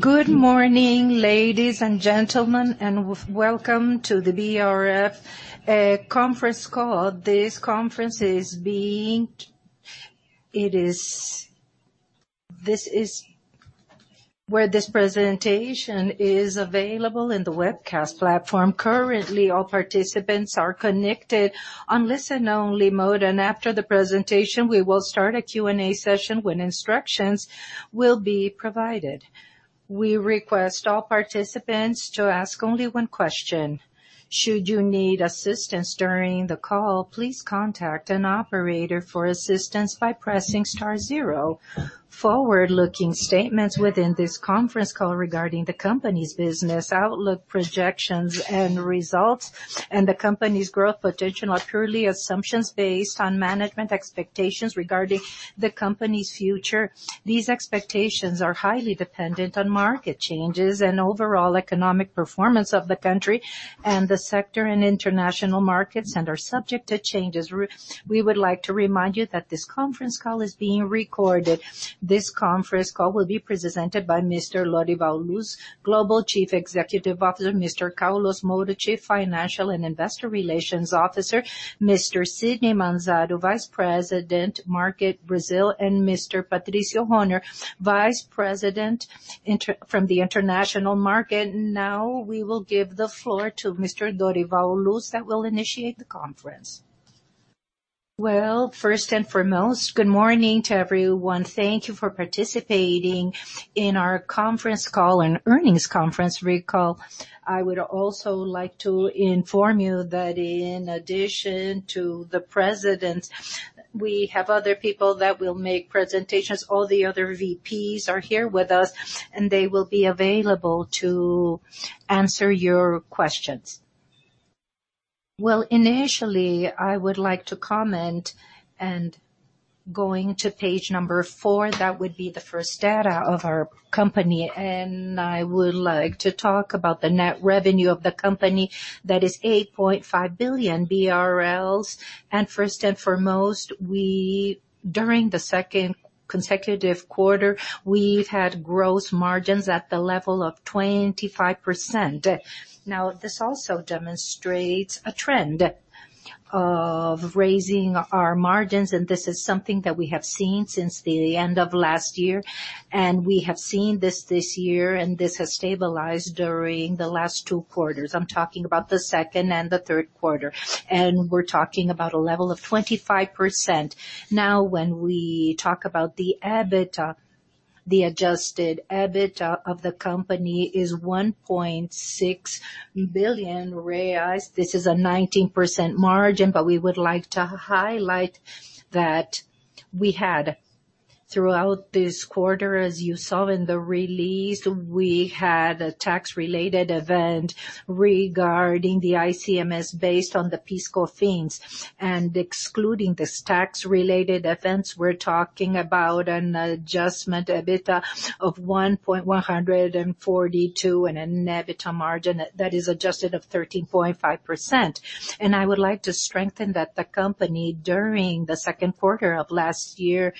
Good morning, ladies and gentlemen, and welcome to the BRF conference call. This is where this presentation is available in the webcast platform. Currently, all participants are connected on listen-only mode, and after the presentation, we will start a Q&A session when instructions will be provided. We request all participants to ask only one question. Should you need assistance during the call, please contact an operator for assistance by pressing star zero. Forward-looking statements within this conference call regarding the company's business outlook, projections and results and the company's growth potential are purely assumptions based on management expectations regarding the company's future. These expectations are highly dependent on market changes and overall economic performance of the country and the sector in international markets and are subject to changes. We would like to remind you that this conference call is being recorded. This conference call will be presented by Mr. Lorival Luz, Global Chief Executive Officer, Mr. Carlos Moura, Chief Financial and Investor Relations Officer, Mr. Sidney Manzaro, Vice President, Brazil, and Mr. Patricio Rohner, Vice President, International Markets. We will give the floor to Mr. Lorival Luz that will initiate the conference. Well, first and foremost, good morning to everyone. Thank you for participating in our conference call and earnings conference call. I would also like to inform you that in addition to the president, we have other people that will make presentations. All the other VPs are here with us, and they will be available to answer your questions. Well, initially, I would like to comment and going to page number four, that would be the first data of our company. I would like to talk about the net revenue of the company that is 8.5 billion BRL. First and foremost, during the second consecutive quarter, we've had gross margins at the level of 25%. This also demonstrates a trend of raising our margins, and this is something that we have seen since the end of last year. We have seen this year, and this has stabilized during the last two quarters. I'm talking about the second and the third quarter. We're talking about a level of 25%. When we talk about the EBITDA, the Adjusted EBITDA of the company is 1.6 billion reais. This is a 19% margin, but we would like to highlight that we had throughout this quarter, as you saw in the release, we had a tax-related event regarding the ICMS based on the PIS/COFINS. Excluding this tax-related events, we're talking about an Adjusted EBITDA of 1,142 million and an Adjusted EBITDA margin of 13.5%. I would like to strengthen that the company, during the second quarter of last year,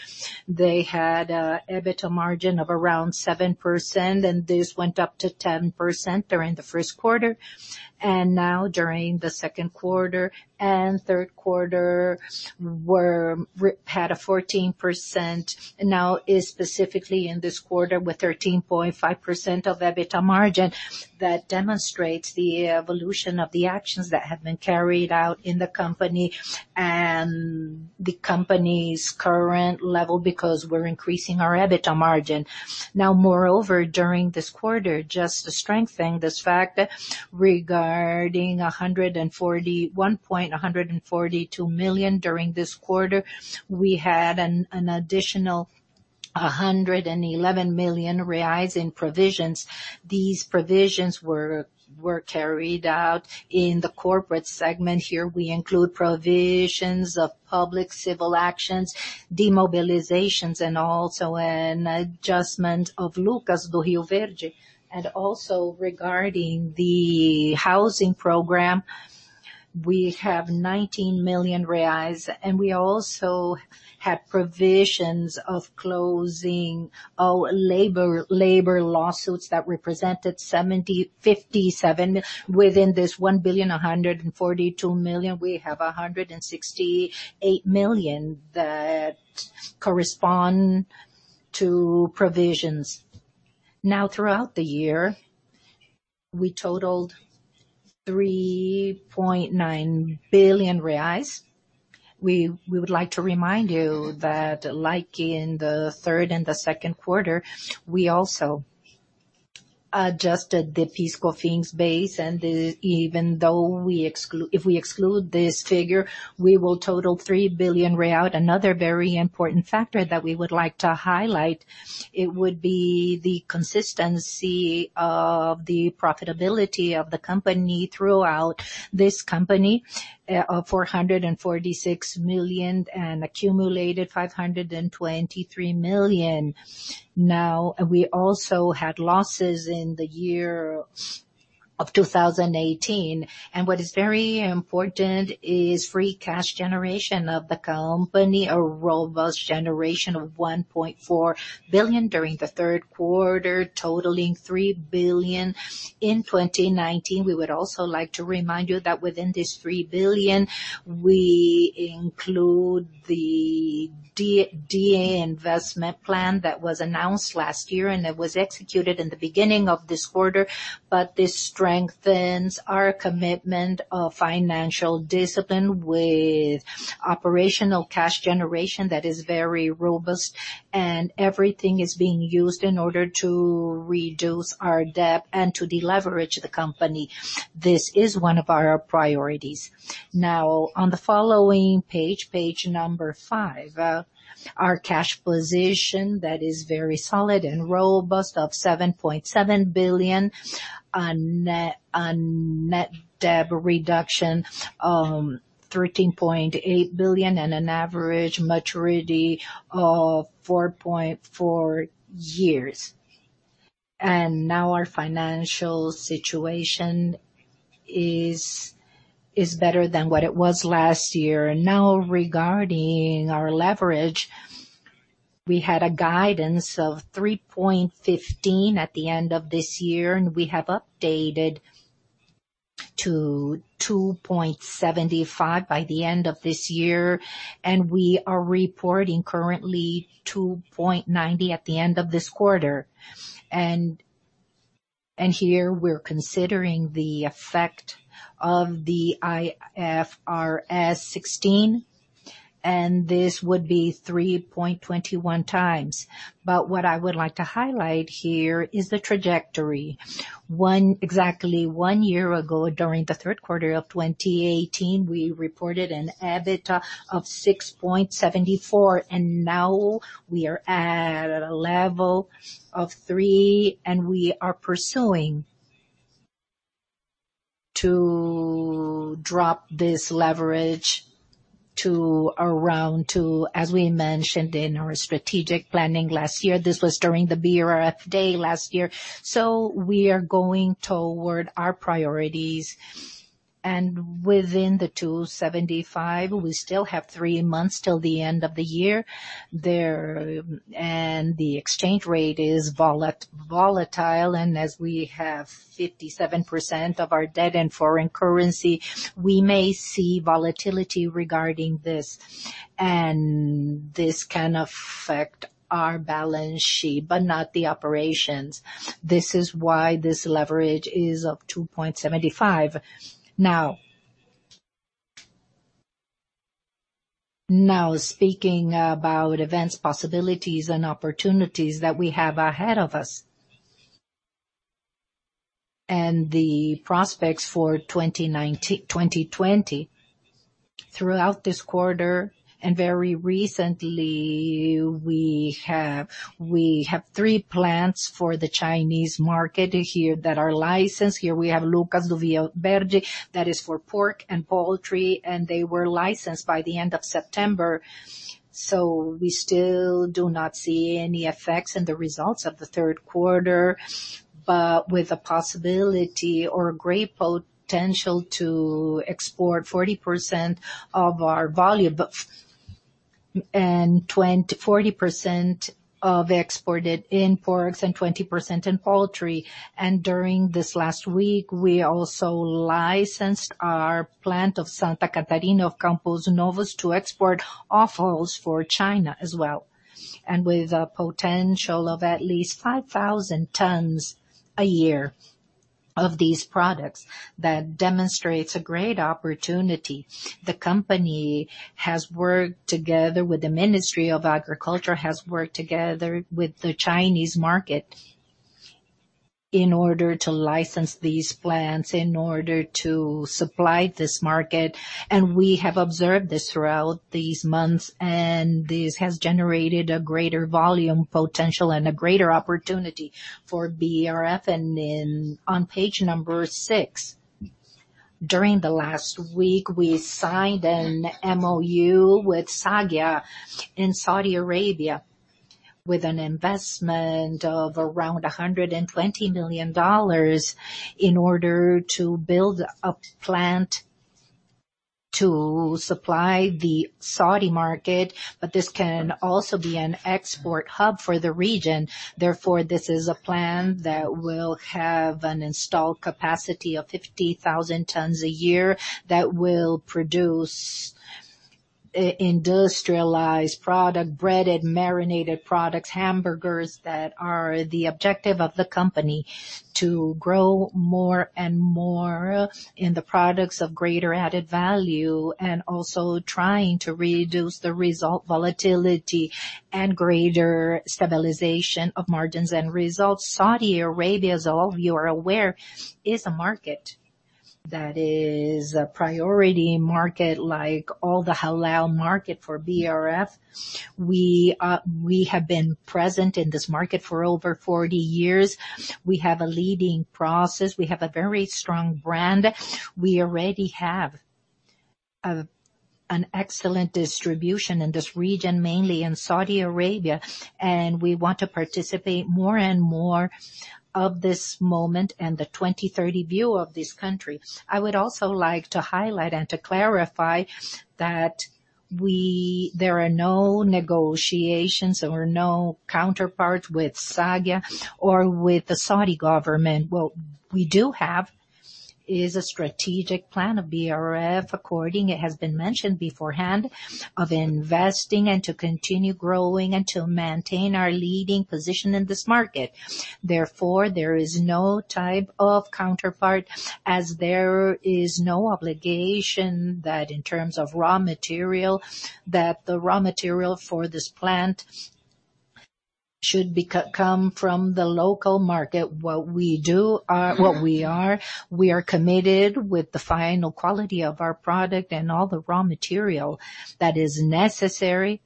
they had an EBITDA margin of around 7%, and this went up to 10% during the first quarter. Now during the second quarter and third quarter had a 14%. Now, specifically in this quarter with 13.5% of EBITDA margin. That demonstrates the evolution of the actions that have been carried out in the company and the company's current level because we're increasing our EBITDA margin. Now, moreover, during this quarter, just to strengthen this fact regarding 1,142 million during this quarter, we had an additional 111 million reais in provisions. These provisions were carried out in the corporate segment. Here we include provisions of public civil actions, demobilizations and also an adjustment of Lucas do Rio Verde. Also regarding the housing program, we have 19 million reais, and we also had provisions of closing labor lawsuits that represented 57 million within this 1.142 billion, we have 168 million that correspond to provisions. Throughout the year, we totaled 3.9 billion reais. We would like to remind you that like in the third and the second quarter, we also adjusted the PIS/COFINS base and if we exclude this figure, we will total 3 billion real. Another very important factor that we would like to highlight, it would be the consistency of the profitability of the company throughout this company of 446 million and accumulated 523 million. We also had losses in the year of 2018. What is very important is free cash generation of the company, a robust generation of 1.4 billion during the third quarter, totaling 3 billion in 2019. We would also like to remind you that within this 3 billion, we include the divestment plan that was announced last year, it was executed in the beginning of this quarter. This strengthens our commitment of financial discipline with operational cash generation that is very robust, everything is being used in order to reduce our debt and to deleverage the company. This is one of our priorities. On the following page 5. Our cash position that is very solid and robust of 7.7 billion on net debt reduction of 13.8 billion and an average maturity of 4.4 years. Now our financial situation is better than what it was last year. Regarding our leverage, we had a guidance of 3.15 at the end of this year, we have updated to 2.75 by the end of this year, we are reporting currently 2.90 at the end of this quarter. Here we're considering the effect of the IFRS 16, this would be 3.21 times. What I would like to highlight here is the trajectory. Exactly one year ago, during the third quarter of 2018, we reported an EBITDA of 6.74, now we are at a level of 3, we are pursuing to drop this leverage to around two, as we mentioned in our strategic planning last year. This was during the BRF Day last year. We are going toward our priorities, within the 2.75, we still have three months till the end of the year. The exchange rate is volatile, and as we have 57% of our debt in foreign currency, we may see volatility regarding this. This can affect our balance sheet, but not the operations. This is why this leverage is of 2.75. Speaking about events, possibilities, and opportunities that we have ahead of us, and the prospects for 2020. Throughout this quarter, and very recently, we have three plants for the Chinese market here that are licensed. Here we have Lucas do Rio Verde, that is for pork and poultry, and they were licensed by the end of September. We still do not see any effects in the results of the third quarter, but with a possibility or a great potential to export 40% of our volume and 40% of exported in pork and 20% in poultry. During this last week, we also licensed our plant of Santa Catarina of Campos Novos to export offals for China as well. With a potential of at least 5,000 tons a year of these products, that demonstrates a great opportunity. The company has worked together with the Ministry of Agriculture, has worked together with the Chinese market in order to license these plants, in order to supply this market. We have observed this throughout these months, and this has generated a greater volume potential and a greater opportunity for BRF. On page number six, during the last week, we signed an MOU with SAGIA in Saudi Arabia with an investment of around $120 million in order to build a plant to supply the Saudi market. This can also be an export hub for the region. This is a plan that will have an installed capacity of 50,000 tons a year that will produce industrialized product, breaded, marinated products, hamburgers, that are the objective of the company to grow more and more in the products of greater added value, and also trying to reduce the result volatility and greater stabilization of margins and results. Saudi Arabia, as all of you are aware, is a market that is a priority market like all the halal market for BRF. We have been present in this market for over 40 years. We have a leading process. We have a very strong brand. We already have an excellent distribution in this region, mainly in Saudi Arabia, and we want to participate more and more of this moment and the Vision 2030 of this country. I would also like to highlight and to clarify that there are no negotiations or no counterpart with SAGIA or with the Saudi government. What we do have is a strategic plan of BRF according, it has been mentioned beforehand, of investing and to continue growing and to maintain our leading position in this market. Therefore, there is no type of counterpart as there is no obligation that in terms of raw material, that the raw material for this plant should come from the local market. What we are committed with the final quality of our product and all the raw material that is necessary,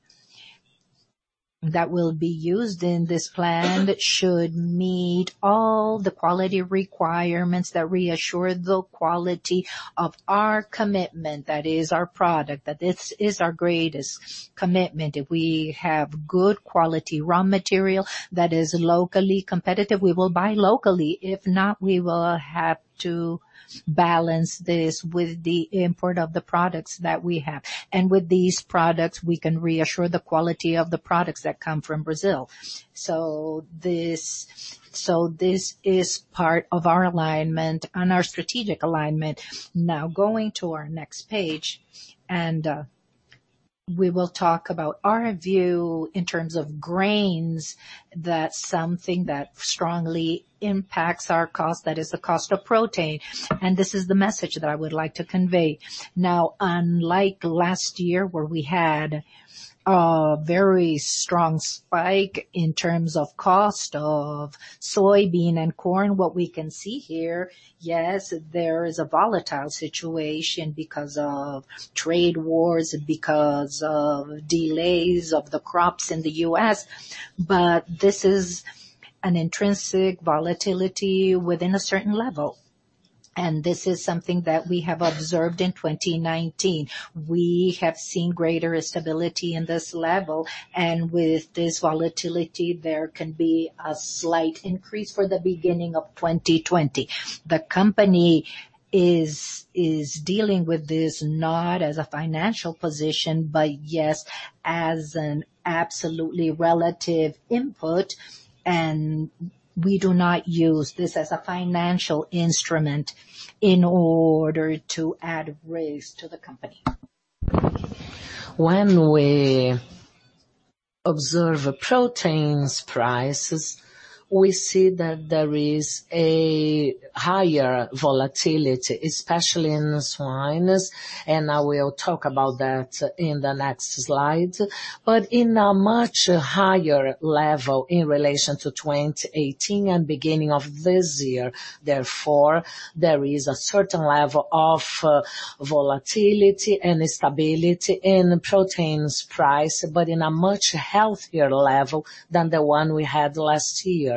that will be used in this plant should meet all the quality requirements that reassure the quality of our commitment. That is our product, that this is our greatest commitment. If we have good quality raw material that is locally competitive, we will buy locally. If not, we will have to balance this with the import of the products that we have. With these products, we can reassure the quality of the products that come from Brazil. This is part of our alignment and our strategic alignment. Going to our next page, and we will talk about our view in terms of grains, that something that strongly impacts our cost, that is the cost of protein. This is the message that I would like to convey. Unlike last year, where we had a very strong spike in terms of cost of soybean and corn, what we can see here, yes, there is a volatile situation because of trade wars and because of delays of the crops in the U.S., but this is an intrinsic volatility within a certain level. This is something that we have observed in 2019. We have seen greater stability in this level, and with this volatility, there can be a slight increase for the beginning of 2020. The company is dealing with this not as a financial position, but yes, as an absolutely relative input, and we do not use this as a financial instrument in order to add risk to the company. When we observe protein prices, we see that there is a higher volatility, especially in the swine. I will talk about that in the next slide. In a much higher level in relation to 2018 and beginning of this year, therefore, there is a certain level of volatility and stability in protein price, but in a much healthier level than the one we had last year.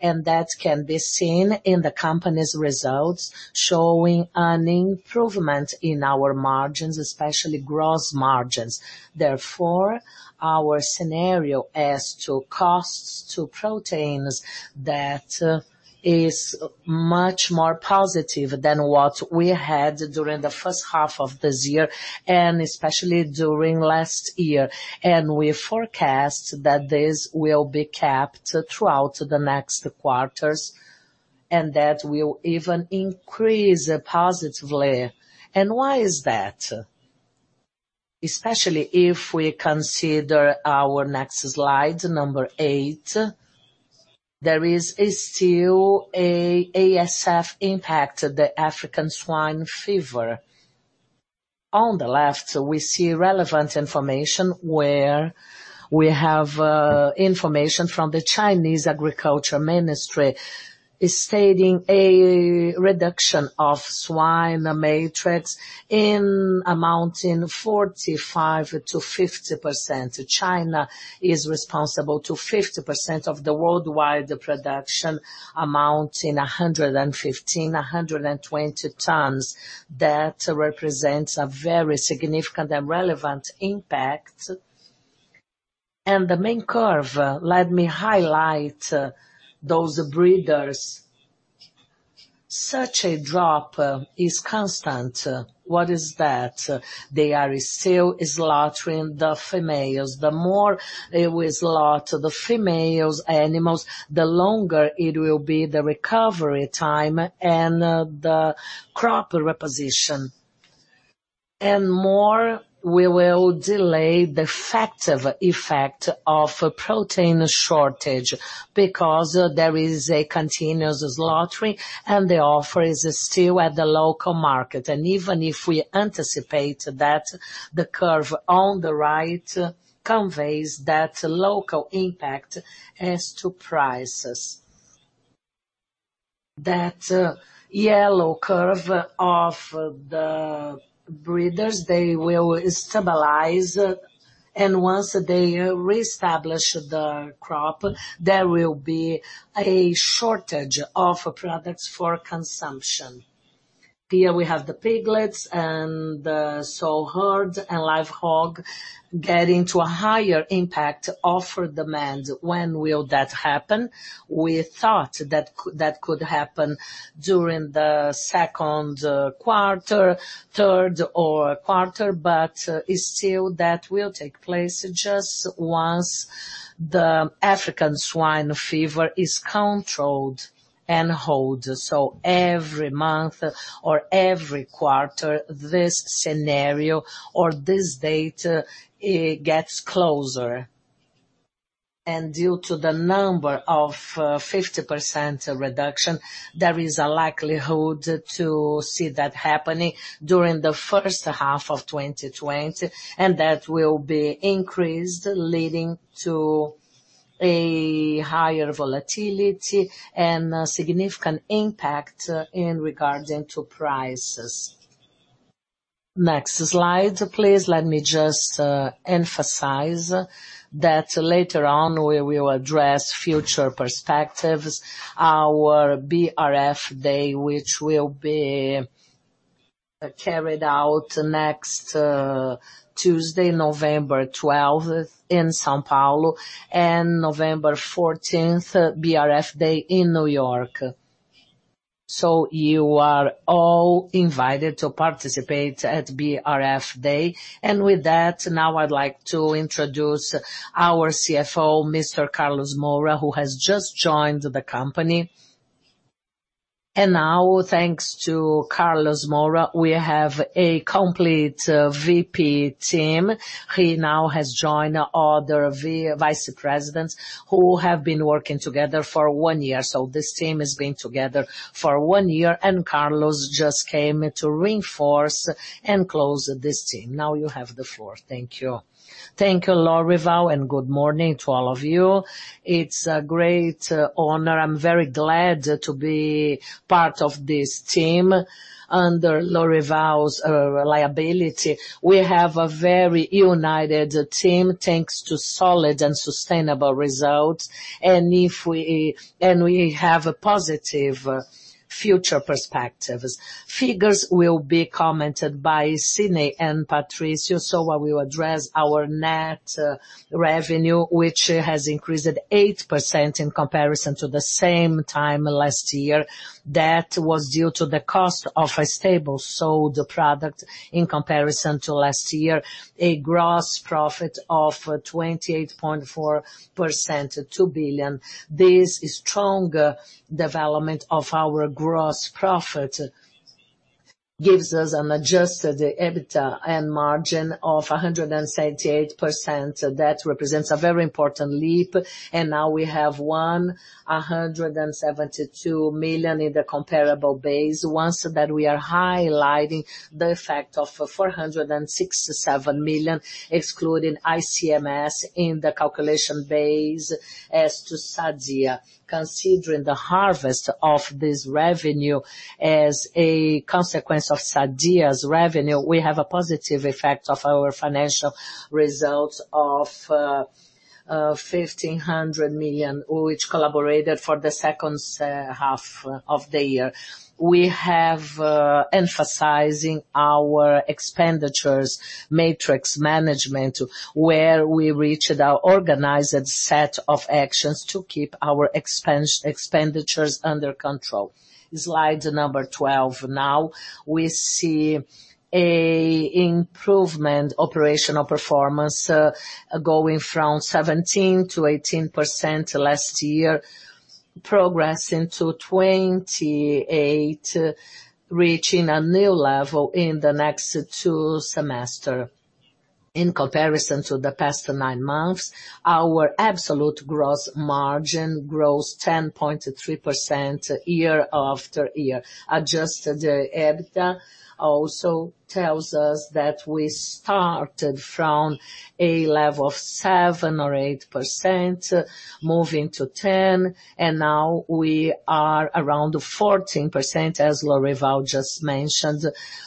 That can be seen in the company's results showing an improvement in our margins, especially gross margins. Therefore, our scenario as to costs to protein that is much more positive than what we had during the first half of this year, and especially during last year. We forecast that this will be kept throughout the next quarters, and that will even increase positively. Why is that? Especially if we consider our next slide, number eight, there is still a ASF impact, the African swine fever. On the left, we see relevant information where we have information from the Chinese Agriculture Ministry stating a reduction of swine matrix in amounting 45%-50%. China is responsible to 50% of the worldwide production amounting 115, 120 tons. That represents a very significant and relevant impact. The main curve, let me highlight those breeders. Such a drop is constant. What is that? They are still slaughtering the females. The more we slaughter the females animals, the longer it will be the recovery time and the crop reposition. More we will delay the effective effect of protein shortage because there is a continuous slaughtering and the offer is still at the local market. Even if we anticipate that the curve on the right conveys that local impact as to prices. That yellow curve of the breeders, they will stabilize. Once they reestablish the crop, there will be a shortage of products for consumption. Here we have the piglets and the sow herd and live hog getting to a higher impact offer demand. When will that happen? We thought that could happen during the second quarter, third quarter, but still that will take place just once the African swine fever is controlled and held. Every month or every quarter, this scenario or this data gets closer. Due to the number of 50% reduction, there is a likelihood to see that happening during the first half of 2020, and that will be increased, leading to a higher volatility and a significant impact in regarding to prices. Next slide, please. Let me just emphasize that later on, we will address future perspectives. Our BRF Day, which will be carried out next Tuesday, November 12th in São Paulo, and November 14th, BRF Day in New York. You are all invited to participate at BRF Day. With that, now I'd like to introduce our CFO, Mr. Carlos Moura, who has just joined the company. Now, thanks to Carlos Moura, we have a complete VP team. He now has joined other vice presidents who have been working together for one year. This team has been together for one year, and Carlos just came to reinforce and close this team. Now you have the floor. Thank you. Thank you, Lorival, and good morning to all of you. It's a great honor. I'm very glad to be part of this team under Lorival's reliability. We have a very united team thanks to solid and sustainable results. We have a positive future perspective. Figures will be commented by Sidney and Patricio. I will address our net revenue, which has increased 8% in comparison to the same time last year. That was due to the cost of a stable sold product in comparison to last year. A gross profit of 28.4%, 2 billion. This stronger development of our gross profit gives us an Adjusted EBITDA and margin of 17.8%. That represents a very important leap. Now we have 172 million in the comparable base. We are highlighting the effect of 467 million, excluding ICMS in the calculation base. As to Sadia, considering the harvest of this revenue as a consequence of Sadia's revenue, we have a positive effect of our financial results of 1,500 million, which collaborated for the second half of the year. We have emphasizing our expenditures, metrics management, where we reached our organized set of actions to keep our expenditures under control. Slide number 12. Now, we see a improvement operational performance, going from 17% to 18% last year, progressing to 28%, reaching a new level in the next two semesters. In comparison to the past nine months, our absolute gross margin 10.3% year-over-year. Adjusted EBITDA also tells us that we started from a level of 7% or 8%, moving to 10%, and now we are around 14%, as Lorival just mentioned.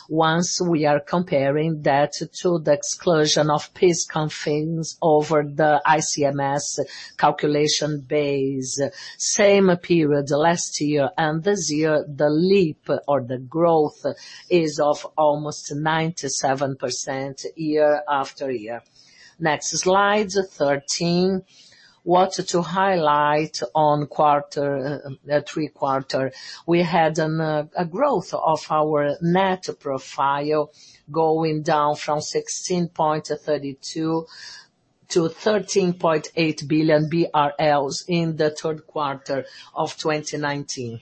Once we are comparing that to the exclusion of PIS/COFINS over the ICMS calculation base, same period last year and this year, the leap or the growth is of almost 97% year after year. Next slide 13. What to highlight on third quarter. We had a growth of our net profile going down from 16.32 billion to 13.8 billion BRL in the third quarter of 2019.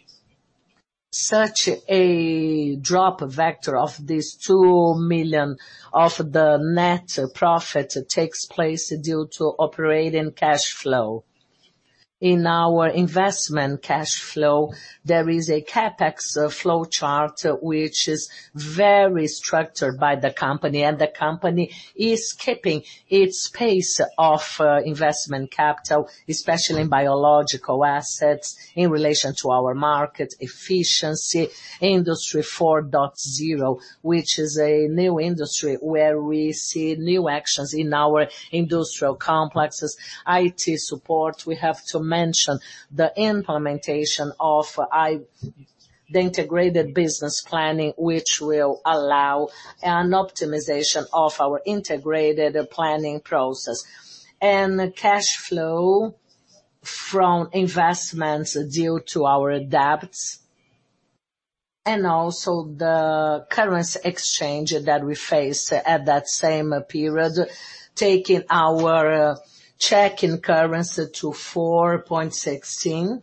Such a drop vector of this 2 million of the net profit takes place due to operating cash flow. In our investment cash flow, there is a CapEx flow chart which is very structured by the company, and the company is keeping its pace of investment capital, especially in biological assets in relation to our market efficiency Industry 4.0, which is a new industry where we see new actions in our industrial complexes, IT support. We have to mention the implementation of the integrated business planning, which will allow an optimization of our integrated planning process. Cash flow from investments due to our debt and also the currency exchange that we faced at that same period, taking our check-in currency to 4.16.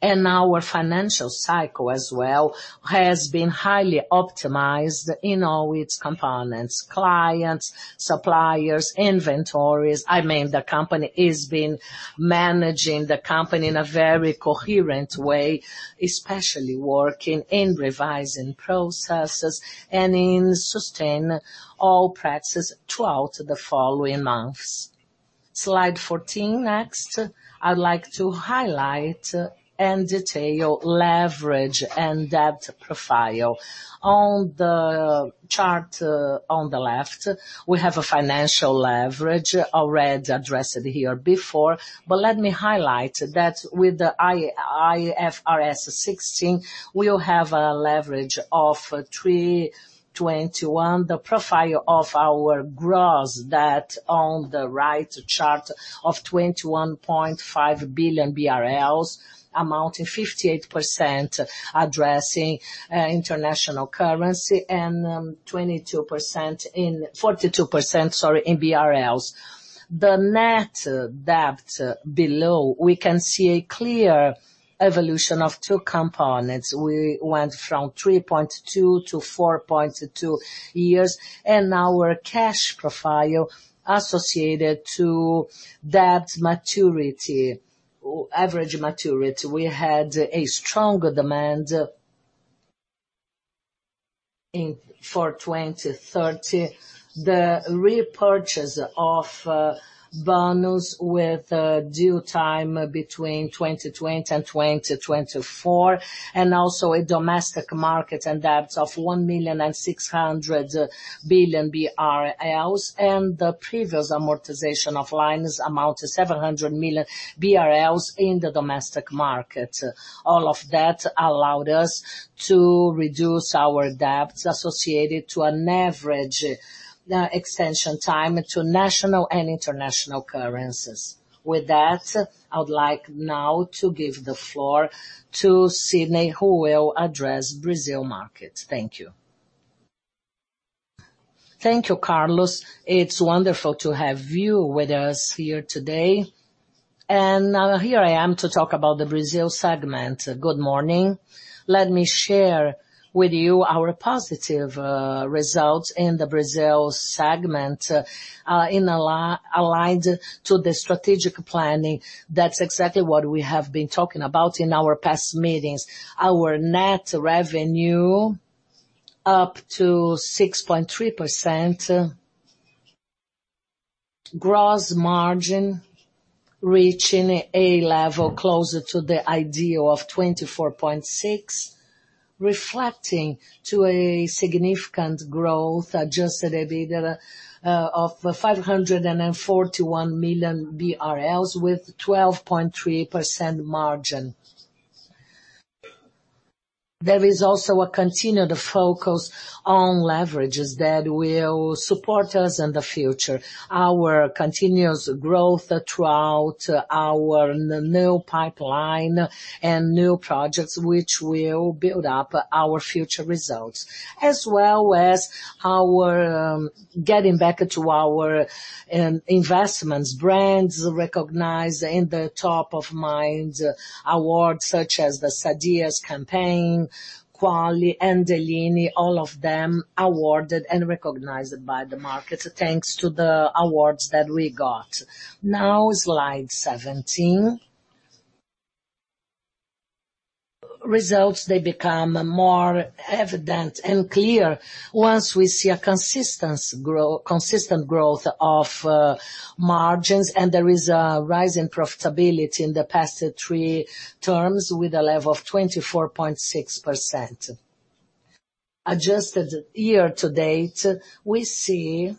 Our financial cycle as well has been highly optimized in all its components: clients, suppliers, inventories. The company has been managing the company in a very coherent way, especially working in revising processes and in sustaining all practices throughout the following months. Slide 14 next. I'd like to highlight and detail leverage and debt profile. On the chart on the left, we have a financial leverage already addressed here before, but let me highlight that with the IFRS 16, we'll have a leverage of 3.21. The profile of our gross debt on the right chart of 21.5 billion BRL amounting 58% addressing international currency and 42% in BRL. The net debt below, we can see a clear evolution of two components. We went from 3.2 to 4.2 years and our cash profile associated to debt average maturity. We had a stronger demand for 2030. The repurchase of bonds with due time between 2020 and 2024, and also a domestic market and debts of 1.6 billion and the previous amortization of lines amounts to 700 million BRL in the domestic market. All of that allowed us to reduce our debts associated to an average extension time to national and international currencies. With that, I would like now to give the floor to Sidney, who will address Brazil market. Thank you. Thank you, Carlos. It's wonderful to have you with us here today. Now here I am to talk about the Brazil segment. Good morning. Let me share with you our positive results in the Brazil segment, aligned to the strategic planning. That's exactly what we have been talking about in our past meetings. Our net revenue up to 6.3%. Gross margin reaching a level closer to the idea of 24.6%, reflecting to a significant growth Adjusted EBITDA of BRL 541 million with 12.3% margin. There is also a continued focus on leverages that will support us in the future. Our continuous growth throughout our new pipeline and new projects which will build up our future results. As well as getting back to our investments, brands recognized in the Top of Mind Awards such as the Sadia's campaign, Qualy and Deline, all of them awarded and recognized by the market thanks to the awards that we got. Now slide 17. Results, they become more evident and clear once we see a consistent growth of margins and there is a rise in profitability in the past three terms with a level of 24.6%. Adjusted year to date, we see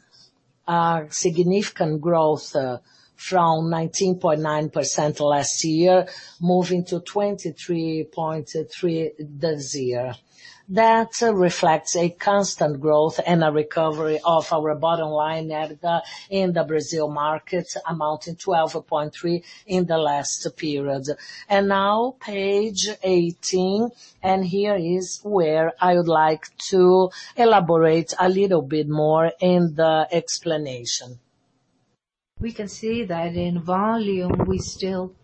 a significant growth from 19.9% last year, moving to 23.3% this year. That reflects a constant growth and a recovery of our bottom line EBITDA in the Brazil market, amounting to 12.3% in the last period. Now page 18, and here is where I would like to elaborate a little bit more in the explanation. We can see that in volume, we still can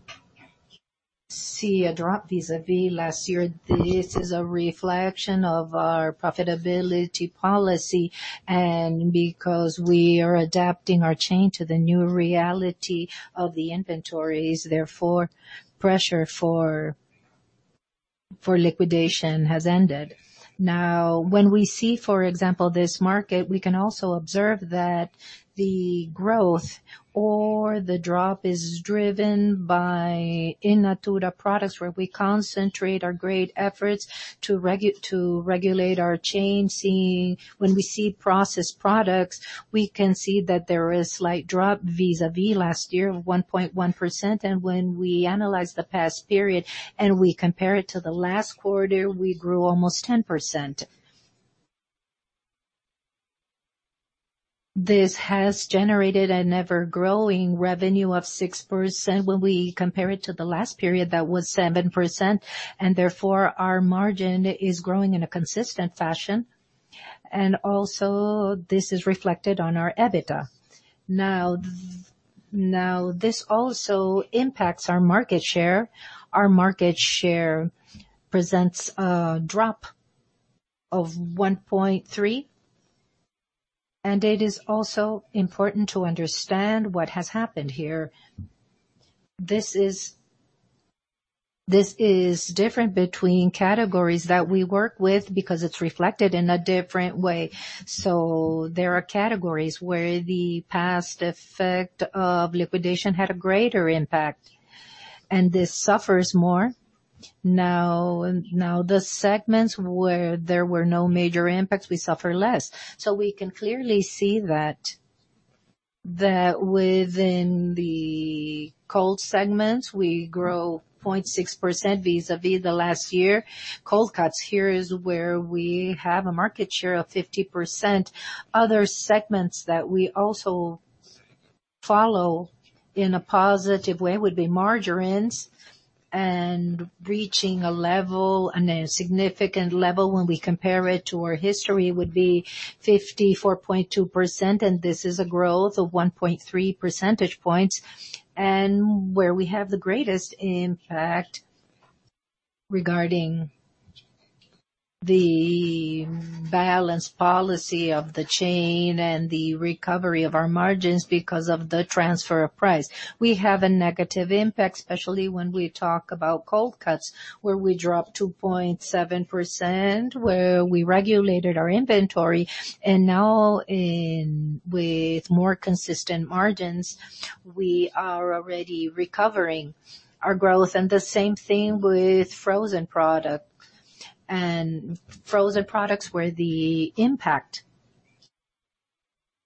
See a drop vis-a-vis last year. This is a reflection of our profitability policy, because we are adapting our chain to the new reality of the inventories, therefore, pressure for liquidation has ended. When we see, for example, this market, we can also observe that the growth or the drop is driven by in natura products, where we concentrate our great efforts to regulate our chain. When we see processed products, we can see that there is slight drop vis-a-vis last year of 1.1%, when we analyze the past period and we compare it to the last quarter, we grew almost 10%. This has generated an ever-growing revenue of 6%. When we compare it to the last period, that was 7%, therefore our margin is growing in a consistent fashion. Also, this is reflected on our EBITDA. This also impacts our market share. Our market share presents a drop of 1.3, and it is also important to understand what has happened here. This is different between categories that we work with because it's reflected in a different way. There are categories where the past effect of liquidation had a greater impact, and this suffers more. Now, the segments where there were no major impacts, we suffer less. We can clearly see that within the cold segments, we grow 0.6% vis-a-vis the last year. Cold cuts, here is where we have a market share of 50%. Other segments that we also follow in a positive way would be margarines, and reaching a significant level when we compare it to our history would be 54.2%, and this is a growth of 1.3 percentage points. Where we have the greatest impact regarding the balance policy of the chain and the recovery of our margins because of the transfer price. We have a negative impact, especially when we talk about cold cuts, where we dropped 2.7%, where we regulated our inventory. Now with more consistent margins, we are already recovering our growth. The same thing with frozen products. Frozen products where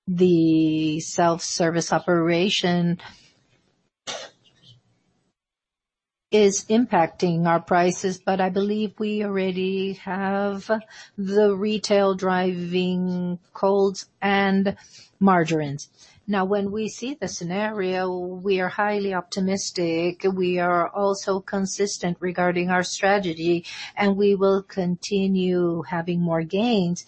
the self-service operation is impacting our prices, but I believe we already have the retail driving colds and margarines. When we see the scenario, we are highly optimistic. We are also consistent regarding our strategy, and we will continue having more gains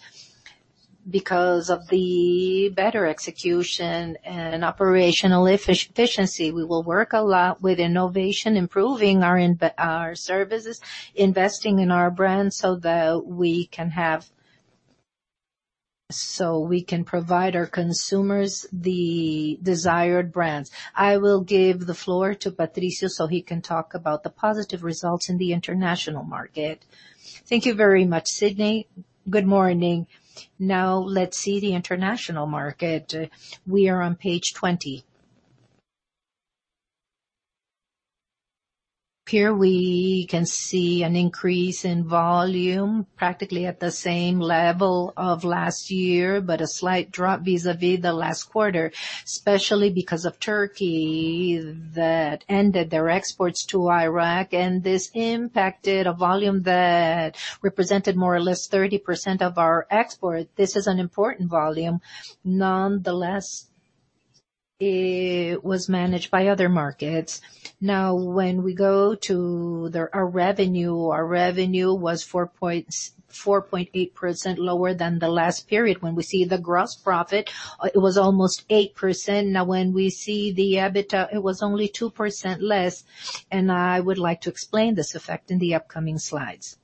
because of the better execution and operational efficiency. We will work a lot with innovation, improving our services, investing in our brands so we can provide our consumers the desired brands. I will give the floor to Patricio so he can talk about the positive results in the international market. Thank you very much, Sidney. Good morning. Let's see the international market. We are on page 20. Here we can see an increase in volume, practically at the same level of last year, but a slight drop vis-a-vis the last quarter, especially because of Turkey that ended their exports to Iraq, and this impacted a volume that represented more or less 30% of our export. This is an important volume. Nonetheless, it was managed by other markets. When we go to our revenue, our revenue was 4.8% lower than the last period. When we see the gross profit, it was almost 8%. When we see the EBITDA, it was only 2% less, and I would like to explain this effect in the upcoming slides.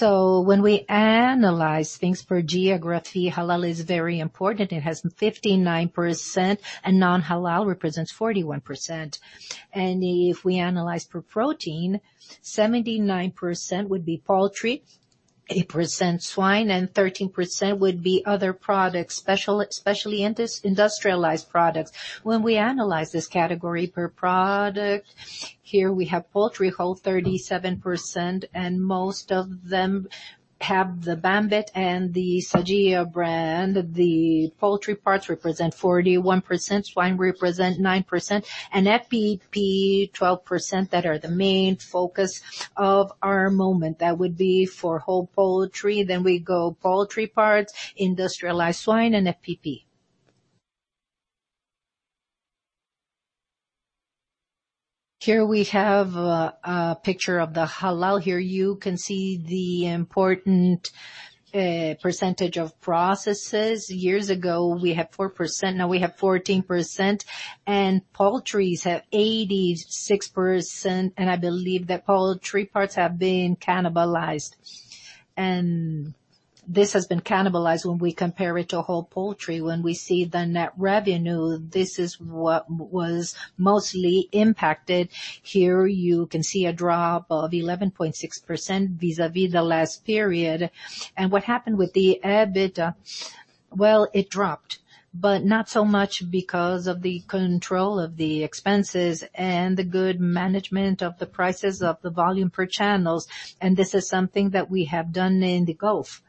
When we analyze things per geography, halal is very important. It has 59%, and non-halal represents 41%. If we analyze per protein, 79% would be poultry, 8% swine, and 13% would be other products, especially industrialized products. When we analyze this category per product, here we have poultry whole 37%, and most of them have the Banvit and the Sadia brand. The poultry parts represent 41%, swine represent 9%, and FPP 12% that are the main focus of our moment. That would be for whole poultry. We go poultry parts, industrialized swine, and FPP. Here we have a picture of the halal. Here you can see the important percentage of processes. Years ago, we had 4%, now we have 14%, and poultries have 86%, and I believe that poultry parts have been cannibalized. This has been cannibalized when we compare it to whole poultry. When we see the net revenue, this is what was mostly impacted. Here you can see a drop of 11.6% vis-à-vis the last period. What happened with the EBITDA? Well, it dropped, but not so much because of the control of the expenses and the good management of the prices of the volume per channels. This is something that we have done in the Gulf.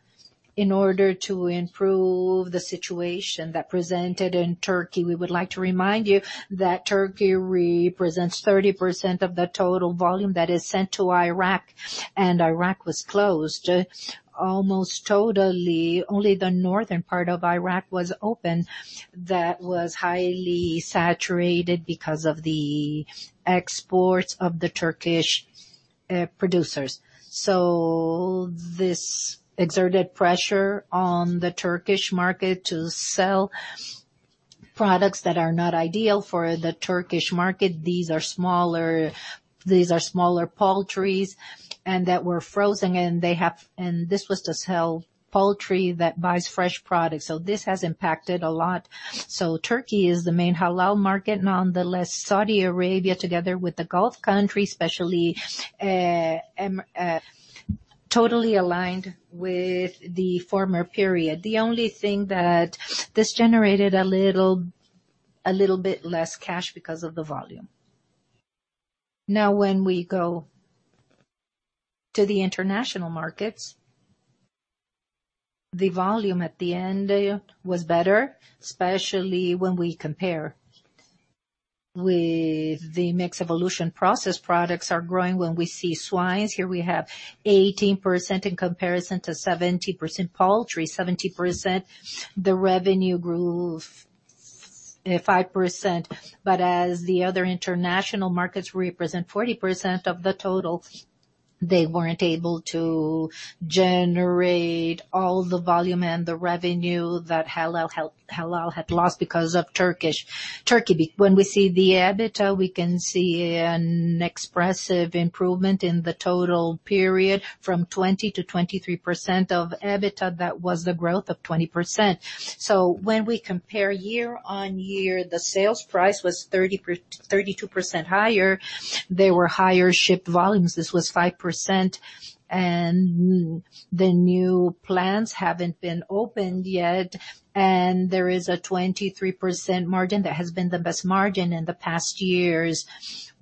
In order to improve the situation that presented in Turkey, we would like to remind you that Turkey represents 30% of the total volume that is sent to Iraq, and Iraq was closed almost totally. Only the northern part of Iraq was open that was highly saturated because of the exports of the Turkish producers. This exerted pressure on the Turkish market to sell products that are not ideal for the Turkish market. These are smaller poultries and that were frozen, and this was to sell poultry that buys fresh products. Turkey is the main halal market. Nonetheless, Saudi Arabia together with the Gulf countries, especially, totally aligned with the former period. The only thing that this generated a little bit less cash because of the volume. Now when we go to the international markets, the volume at the end was better, especially when we compare with the mixed evolution process products are growing. When we see swine, here we have 18% in comparison to 70% poultry, 70%. The revenue grew 5%, but as the other international markets represent 40% of the total, they weren't able to generate all the volume and the revenue that halal had lost because of Turkey. When we see the EBITDA, we can see an expressive improvement in the total period from 20% to 23% of EBITDA. That was the growth of 20%. When we compare year-over-year, the sales price was 32% higher. There were higher shipped volumes. This was 5%, and the new plans haven't been opened yet, and there is a 23% margin. That has been the best margin in the past years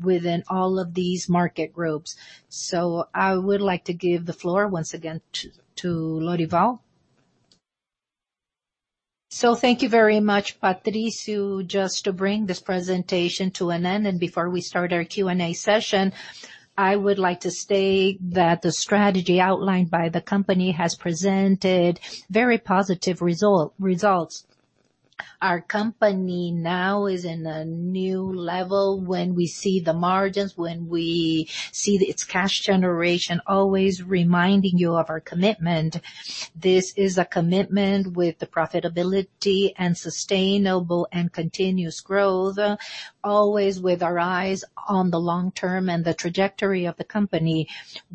within all of these market groups. I would like to give the floor once again to Lorival. Thank you very much, Patricio. Just to bring this presentation to an end, and before we start our Q&A session, I would like to state that the strategy outlined by the company has presented very positive results. Our company now is in a new level when we see the margins, when we see its cash generation, always reminding you of our commitment. This is a commitment with the profitability and sustainable and continuous growth, always with our eyes on the long term and the trajectory of the company.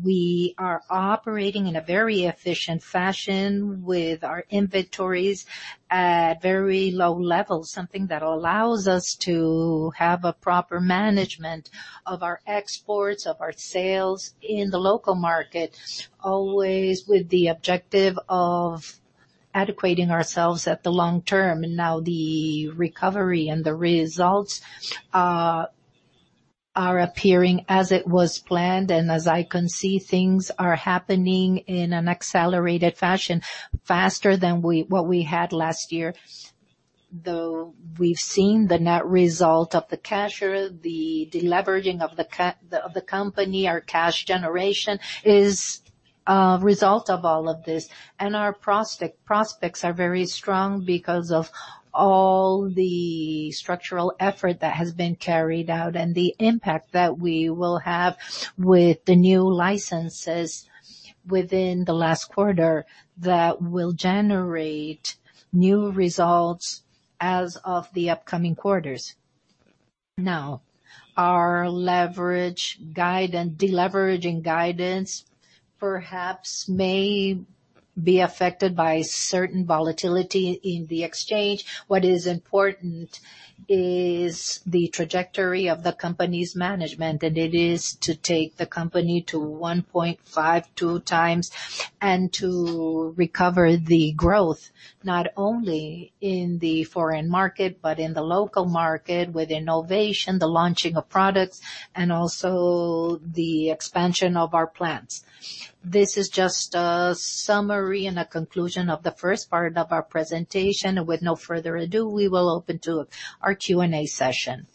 We are operating in a very efficient fashion with our inventories at very low levels, something that allows us to have a proper management of our exports, of our sales in the local market, always with the objective of adequately ourselves at the long term. Now the recovery and the results are appearing as it was planned, and as I can see, things are happening in an accelerated fashion, faster than what we had last year. We've seen the net result of the cash, the deleveraging of the company, our cash generation is a result of all of this. Our prospects are very strong because of all the structural effort that has been carried out and the impact that we will have with the new licenses within the last quarter that will generate new results as of the upcoming quarters. Our deleveraging guidance perhaps may be affected by certain volatility in the exchange. What is important is the trajectory of the company's management, and it is to take the company to 1.5 to 2 times and to recover the growth, not only in the foreign market, but in the local market with innovation, the launching of products, and also the expansion of our plants. This is just a summary and a conclusion of the first part of our presentation. With no further ado, we will open to our Q&A session.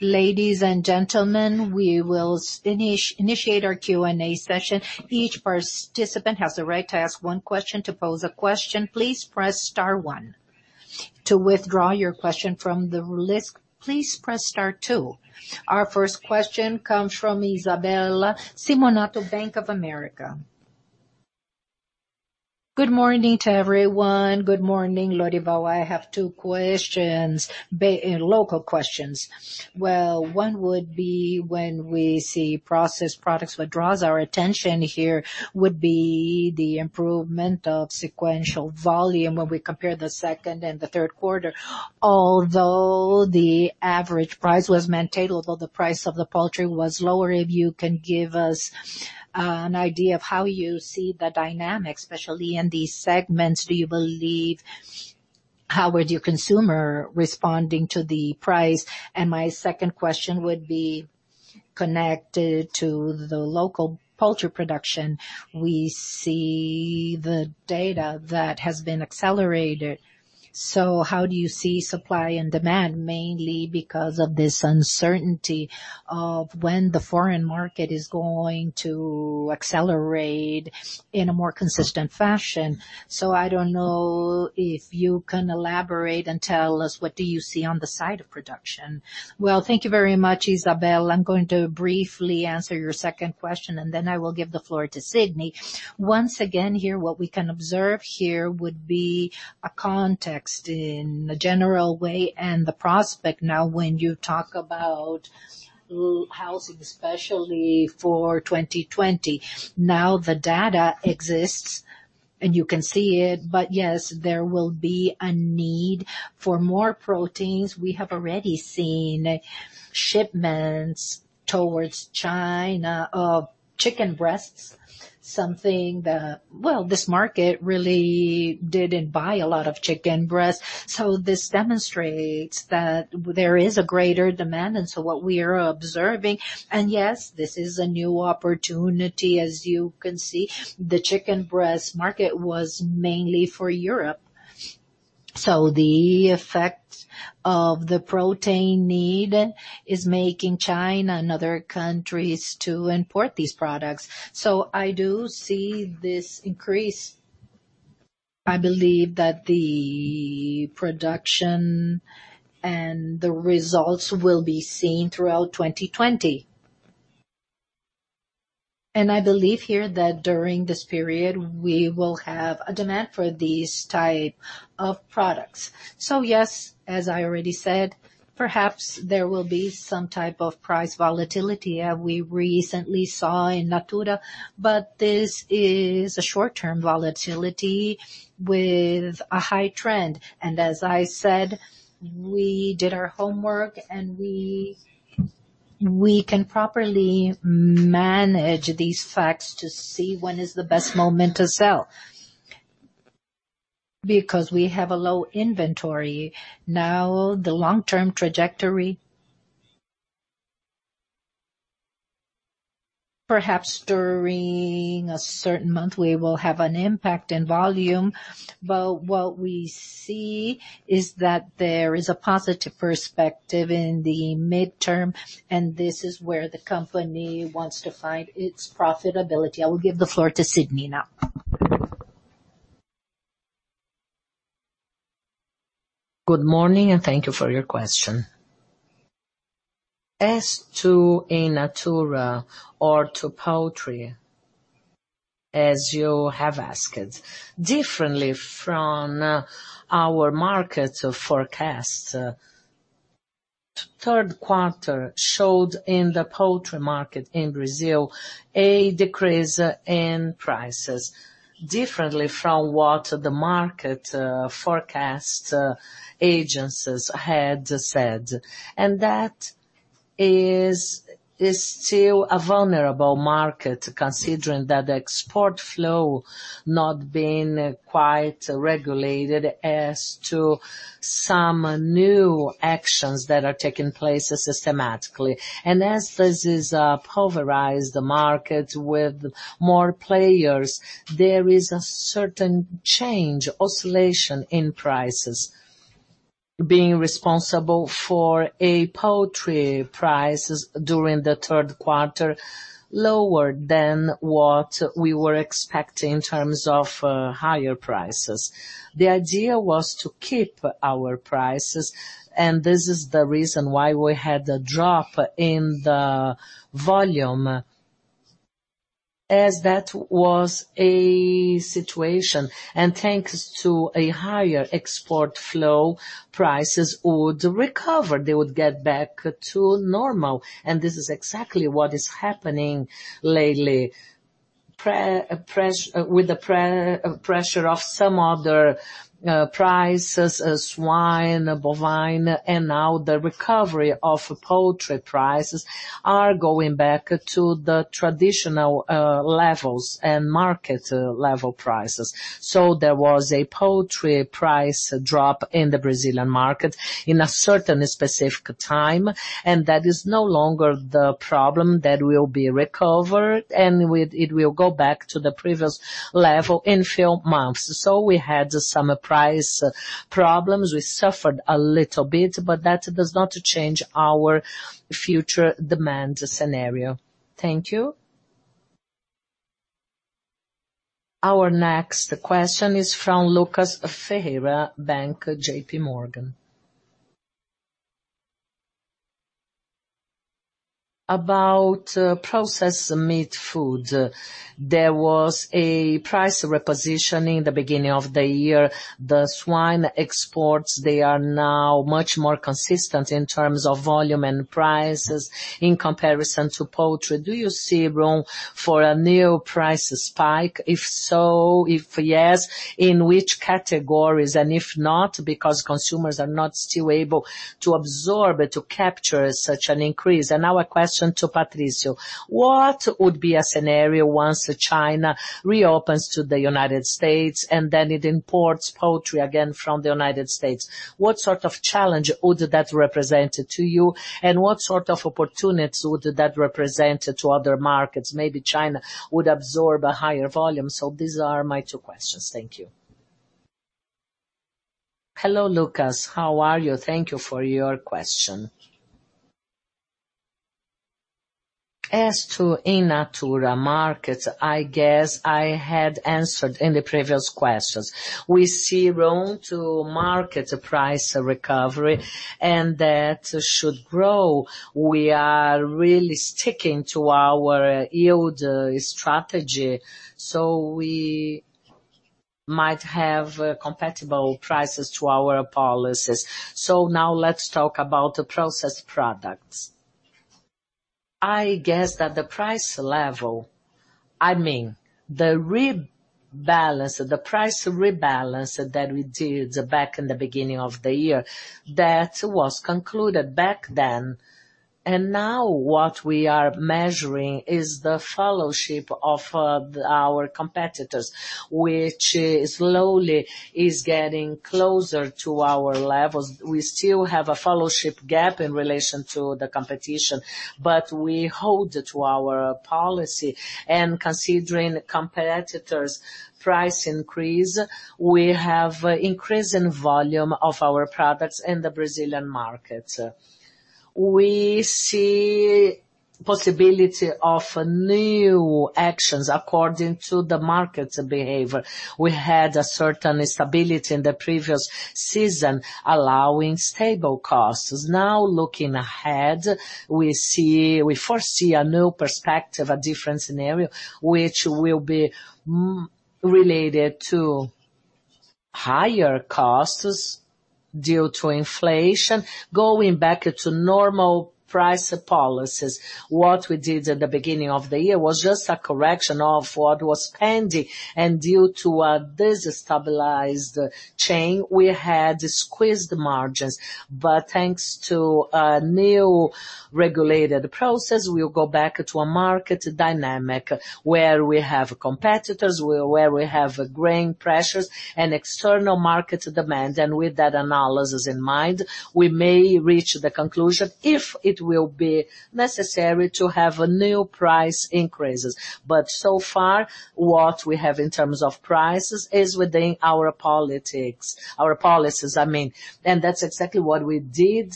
Ladies and gentlemen, we will initiate our Q&A session. Each participant has the right to ask one question. To pose a question, please press star one. To withdraw your question from the list, please press star two. Our first question comes from Isabella Simonato, Bank of America. Good morning to everyone. Good morning, Lorival. I have two local questions. Well, one would be when we see processed products, what draws our attention here would be the improvement of sequential volume when we compare the second and the third quarter. Although the average price was maintainable, the price of the poultry was lower. If you can give us an idea of how you see the dynamics, especially in these segments. How are your consumer responding to the price? My second question would be connected to the local poultry production. We see the data that has been accelerated. How do you see supply and demand, mainly because of this uncertainty of when the foreign market is going to accelerate in a more consistent fashion. I don't know if you can elaborate and tell us what do you see on the side of production. Thank you very much, Isabella. I'm going to briefly answer your second question, and then I will give the floor to Sidney. Once again here, what we can observe here would be a context in a general way and the prospect now when you talk about housing, especially for 2020. The data exists and you can see it. Yes, there will be a need for more proteins. We have already seen shipments towards China of chicken breasts, something that, well, this market really didn't buy a lot of chicken breast. This demonstrates that there is a greater demand, what we are observing, and yes, this is a new opportunity. As you can see, the chicken breast market was mainly for Europe. The effect of the protein need is making China and other countries to import these products. I do see this increase. I believe that the production and the results will be seen throughout 2020. I believe here that during this period, we will have a demand for these type of products. Yes, as I already said, perhaps there will be some type of price volatility as we recently saw in natura, but this is a short-term volatility with a high trend. As I said, we did our homework, and we can properly manage these facts to see when is the best moment to sell because we have a low inventory. Now, the long-term trajectory, perhaps during a certain month, we will have an impact in volume. What we see is that there is a positive perspective in the midterm, and this is where the company wants to find its profitability. I will give the floor to Sidney now. Good morning. Thank you for your question. As to in natura or to poultry, as you have asked, differently from our market forecast, third quarter showed in the poultry market in Brazil a decrease in prices differently from what the market forecast agencies had said. That is still a vulnerable market, considering that the export flow not being quite regulated as to some new actions that are taking place systematically. As this is a pulverized market with more players, there is a certain change, oscillation in prices being responsible for a poultry prices during the third quarter lower than what we were expecting in terms of higher prices. The idea was to keep our prices, and this is the reason why we had a drop in the volume, as that was a situation, and thanks to a higher export flow, prices would recover. They would get back to normal. This is exactly what is happening lately. With the pressure of some other prices, swine, bovine, and now the recovery of poultry prices are going back to the traditional levels and market level prices. There was a poultry price drop in the Brazilian market in a certain specific time, and that is no longer the problem that will be recovered, and it will go back to the previous level in few months. We had some price problems. We suffered a little bit, that does not change our future demand scenario. Thank you. Our next question is from Lucas Ferreira, JPMorgan. About processed meat food, there was a price repositioning the beginning of the year. The swine exports, they are now much more consistent in terms of volume and prices in comparison to poultry. Do you see room for a new price spike? If so, if yes, in which categories? If not, because consumers are not still able to absorb or to capture such an increase. Now a question to Patricio. What would be a scenario once China reopens to the U.S. and it imports poultry again from the U.S.? What sort of challenge would that represent to you, and what sort of opportunities would that represent to other markets? Maybe China would absorb a higher volume. These are my two questions. Thank you. Hello, Lucas. How are you? Thank you for your question. As to in natura markets, I guess I had answered in the previous questions. We see room to market a price recovery, and that should grow. We are really sticking to our yield strategy. We might have compatible prices to our policies. Now let's talk about the processed products. I guess that the price level, I mean, the price rebalance that we did back in the beginning of the year, that was concluded back then. Now what we are measuring is the followership of our competitors, which slowly is getting closer to our levels. We still have a followership gap in relation to the competition, but we hold to our policy and considering competitors' price increase, we have increase in volume of our products in the Brazilian market. We see possibility of new actions according to the market's behavior. We had a certain stability in the previous season allowing stable costs. Now looking ahead, we foresee a new perspective, a different scenario, which will be related to higher costs due to inflation, going back to normal price policies. What we did at the beginning of the year was just a correction of what was pending. Due to a destabilized chain, we had squeezed margins. Thanks to a new regulated process, we will go back to a market dynamic where we have competitors, where we have grain pressures and external market demand. With that analysis in mind, we may reach the conclusion if it will be necessary to have new price increases. So far, what we have in terms of prices is within our policies. That's exactly what we did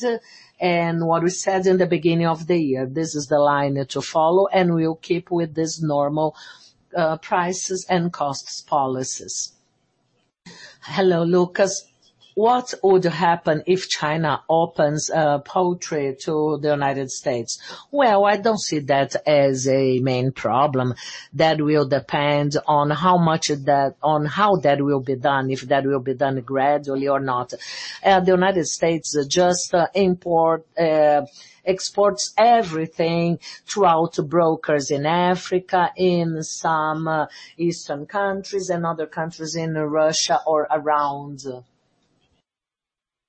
and what we said in the beginning of the year. This is the line to follow. We will keep with this normal prices and costs policies. Hello, Lucas. What would happen if China opens poultry to the U.S.? Well, I don't see that as a main problem. That will depend on how that will be done, if that will be done gradually or not. The U.S. just exports everything throughout brokers in Africa, in some Eastern countries and other countries in Russia or around.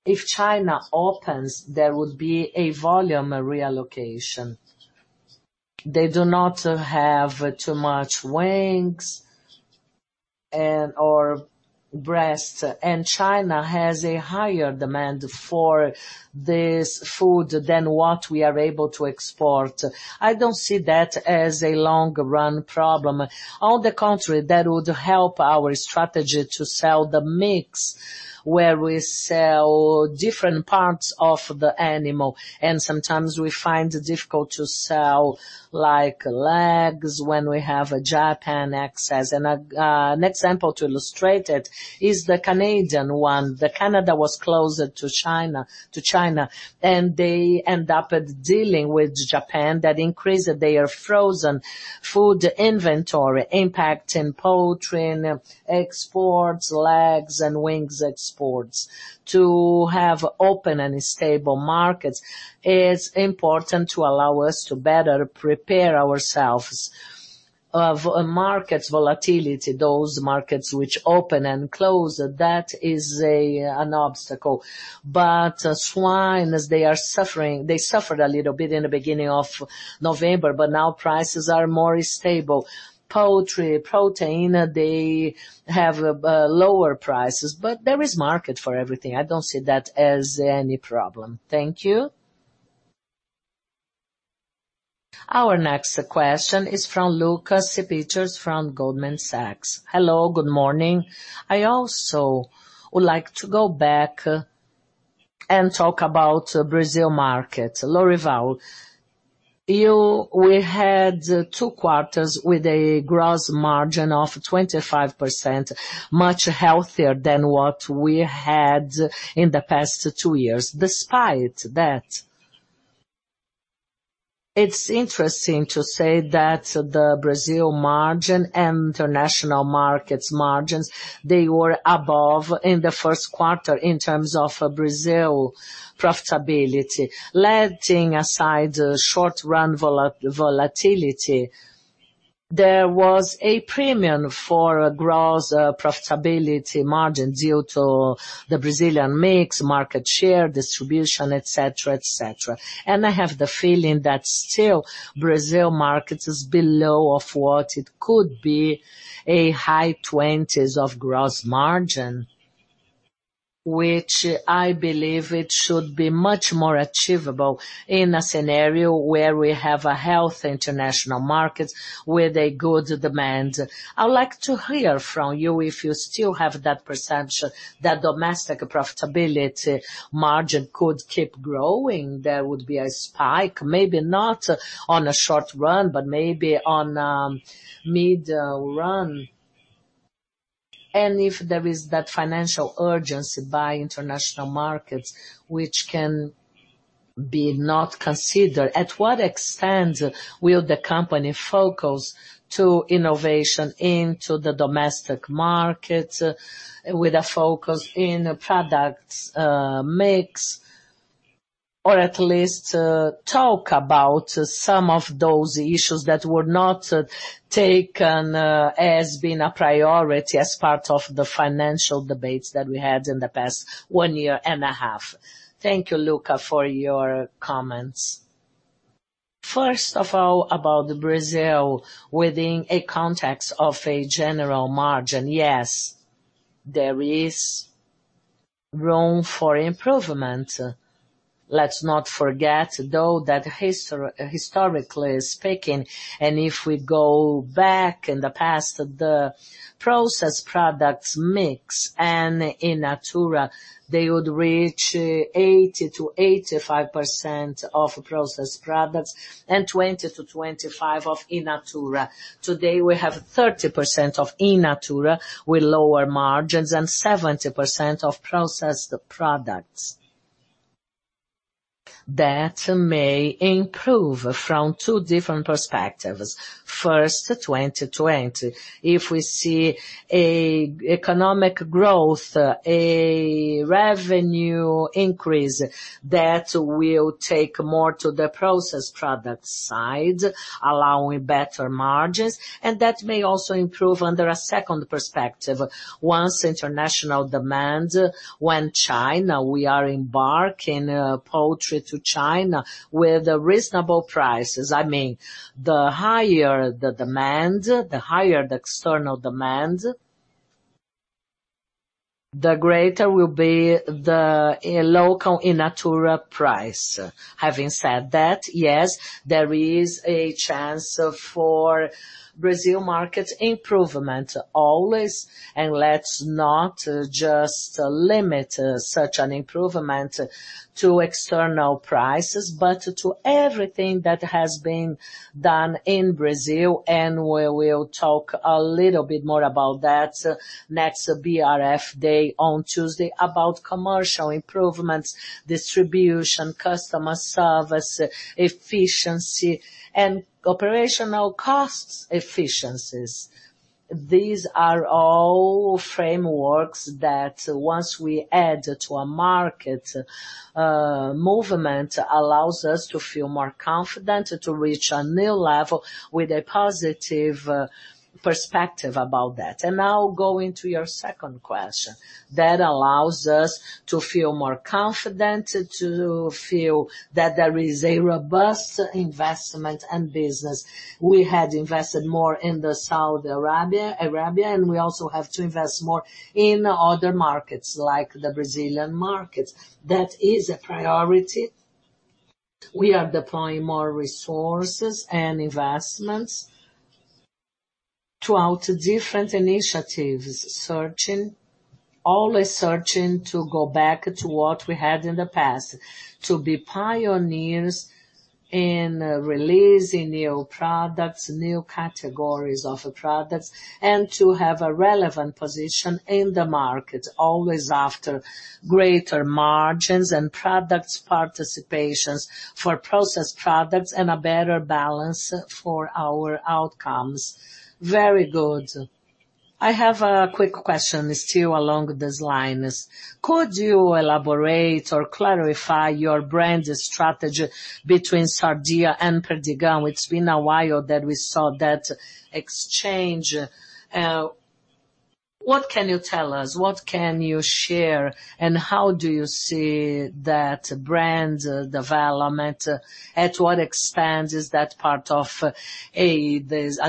If China opens, there would be a volume reallocation. They do not have too much wings or breasts, and China has a higher demand for this food than what we are able to export. I don't see that as a long-run problem. On the contrary, that would help our strategy to sell the mix, where we sell different parts of the animal, and sometimes we find it difficult to sell legs when we have a Japan access. An example to illustrate it is the Canadian one. Canada was closer to China, and they end up dealing with Japan. That increased their frozen food inventory, impacting poultry and exports, legs and wings exports. To have open and stable markets is important to allow us to better prepare ourselves of market volatility. Those markets which open and close, that is an obstacle. Swine, they suffered a little bit in the beginning of November, but now prices are more stable. Poultry, protein, they have lower prices, but there is market for everything. I don't see that as any problem. Thank you. Our next question is from Lucas Peters from Goldman Sachs. Hello, good morning. I also would like to go back and talk about Brazil market. Lorival, we had two quarters with a gross margin of 25%, much healthier than what we had in the past two years. Despite that, it's interesting to say that the Brazil margin and international markets margins, they were above in the first quarter in terms of Brazil profitability. Letting aside the short-run volatility, there was a premium for gross profitability margin due to the Brazilian mix, market share, distribution, et cetera. I have the feeling that still Brazil markets is below of what it could be, a high 20s of gross margin, which I believe it should be much more achievable in a scenario where we have a healthy international market with a good demand. I would like to hear from you if you still have that perception that domestic profitability margin could keep growing. There would be a spike, maybe not on a short run, but maybe on mid run. If there is that financial urgency by international markets, which can be not considered. At what extent will the company focus to innovation into the domestic market with a focus in products mix? At least talk about some of those issues that were not taken as being a priority as part of the financial debates that we had in the past one year and a half. Thank you, Lucas, for your comments. First of all, about the Brazil within a context of a general margin. Yes, there is room for improvement. Let's not forget, though, that historically speaking, and if we go back in the past, the processed products mix and in natura, they would reach 80%-85% of processed products and 20%-25% of in natura. Today, we have 30% of in natura with lower margins and 70% of processed products. That may improve from two different perspectives. First, 2020. If we see economic growth, a revenue increase, that will take more to the processed products side, allowing better margins, and that may also improve under a second perspective. I mean, the higher the demand, the higher the external demand, the greater will be the local in natura price. Having said that, yes, there is a chance for Brazil market improvement always, and let's not just limit such an improvement to external prices, but to everything that has been done in Brazil, and we will talk a little bit more about that next BRF Day on Tuesday about commercial improvements, distribution, customer service, efficiency, and operational costs efficiencies. These are all frameworks that once we add to a market, movement allows us to feel more confident to reach a new level with a positive perspective about that. Now going to your second question. That allows us to feel more confident, to feel that there is a robust investment and business. We had invested more in the Saudi Arabia, and we also have to invest more in other markets, like the Brazilian market. That is a priority. We are deploying more resources and investments throughout different initiatives, always searching to go back to what we had in the past, to be pioneers in releasing new products, new categories of products, and to have a relevant position in the market, always after greater margins and products participations for processed products and a better balance for our outcomes. Very good. I have a quick question still along these lines. Could you elaborate or clarify your brand strategy between Sadia and Perdigão? It's been a while that we saw that exchange. What can you tell us? What can you share, and how do you see that brand development? At what extent is that part of a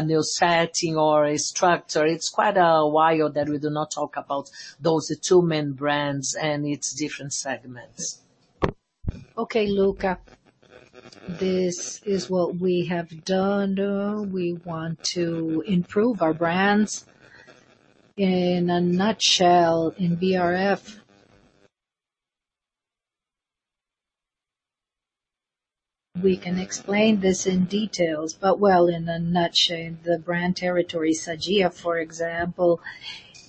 new setting or a structure? It's quite a while that we do not talk about those two main brands and its different segments. Okay, Lucas. This is what we have done. We want to improve our brands. In a nutshell, in BRF, we can explain this in details, but well, in a nutshell, the brand territory, Sadia, for example,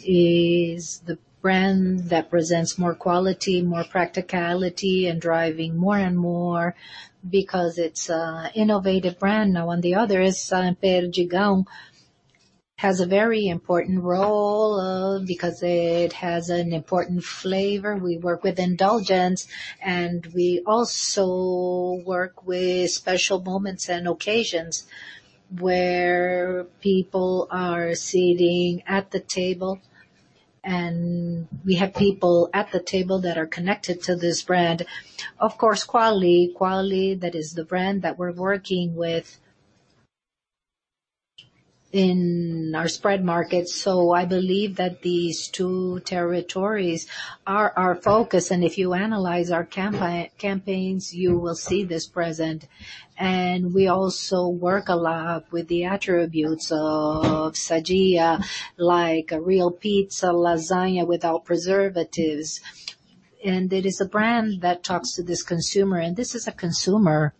is the brand that presents more quality, more practicality, and driving more and more because it's an innovative brand. On the other is, Perdigão has a very important role because it has an important flavor. We work with indulgence, and we also work with special moments and occasions where people are sitting at the table, and we have people at the table that are connected to this brand. Of course, Qualy. Qualy, that is the brand that we're working with in our spread markets. I believe that these two territories are our focus, and if you analyze our campaigns, you will see this present. We also work a lot with the attributes of Sadia, like a real pizza, lasagna without preservatives. It is a brand that talks to this consumer, and this is a consumer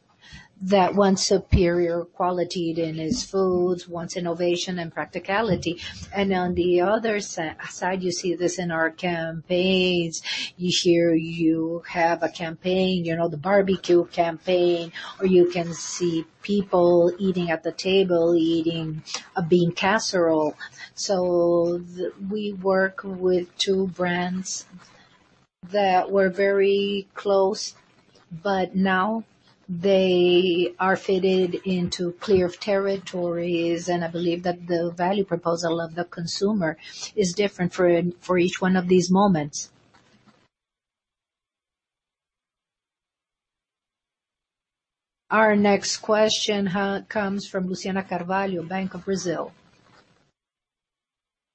that wants superior quality in his foods, wants innovation and practicality. On the other side, you see this in our campaigns. Here you have a campaign, the barbecue campaign, or you can see people eating at the table, eating a bean casserole. We work with two brands that were very close, but now they are fitted into clear territories, and I believe that the value proposal of the consumer is different for each one of these moments. Our next question comes from Luciana Carvalho, Banco do Brasil.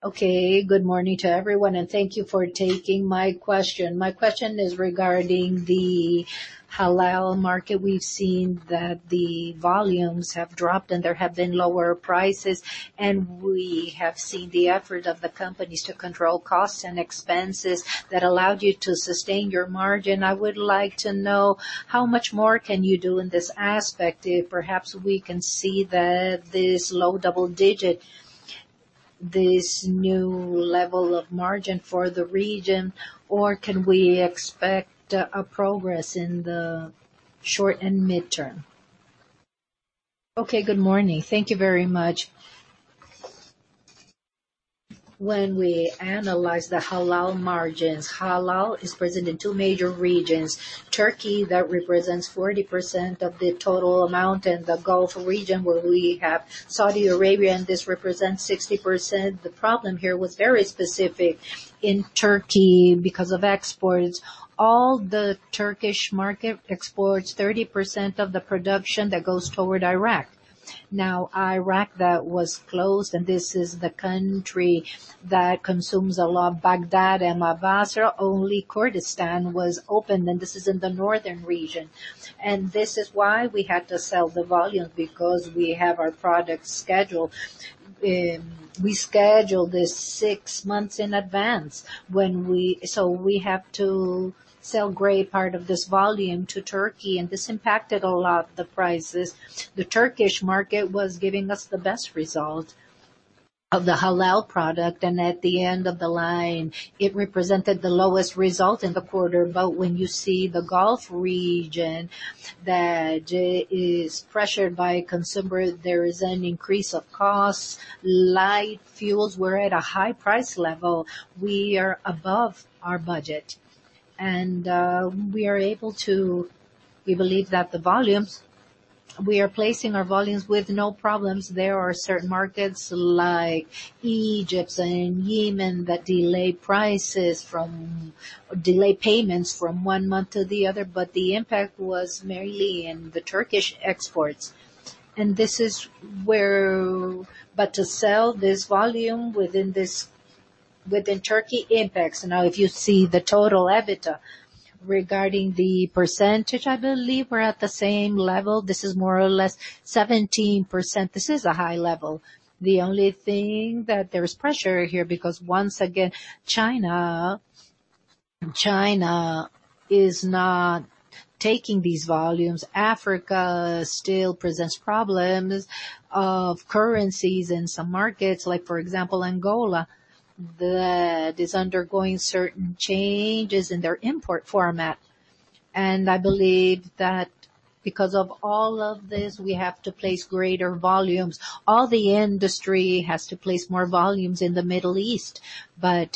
Okay, good morning to everyone, and thank you for taking my question. My question is regarding the halal market. We've seen that the volumes have dropped, and there have been lower prices. We have seen the effort of the companies to control costs and expenses that allowed you to sustain your margin. I would like to know how much more can you do in this aspect if perhaps we can see this low double digit, this new level of margin for the region, or can we expect a progress in the short and mid-term? Okay, good morning. Thank you very much. When we analyze the halal margins, halal is present in two major regions. Turkey, that represents 40% of the total amount, and the Gulf region where we have Saudi Arabia, and this represents 60%. The problem here was very specific in Turkey because of exports. All the Turkish market exports 30% of the production that goes toward Iraq. Iraq, that was closed, this is the country that consumes a lot. Baghdad and Basra only Kurdistan was open, this is in the northern region. This is why we had to sell the volume because we have our product schedule. We schedule this six months in advance. We have to sell great part of this volume to Turkey, this impacted a lot the prices. The Turkish market was giving us the best result of the halal product, at the end of the line, it represented the lowest result in the quarter. When you see the Gulf region that is pressured by consumer, there is an increase of costs. Light fuels were at a high price level. We are above our budget, we believe that we are placing our volumes with no problems. There are certain markets like Egypt and Yemen that delay payments from one month to the other, but the impact was mainly in the Turkish exports. To sell this volume within Turkey impacts. Now, if you see the total EBITDA regarding the %, I believe we're at the same level. This is more or less 17%. This is a high level. The only thing that there's pressure here, because once again, China is not taking these volumes. Africa still presents problems of currencies in some markets, like for example, Angola, that is undergoing certain changes in their import format. I believe that because of all of this, we have to place greater volumes. All the industry has to place more volumes in the Middle East.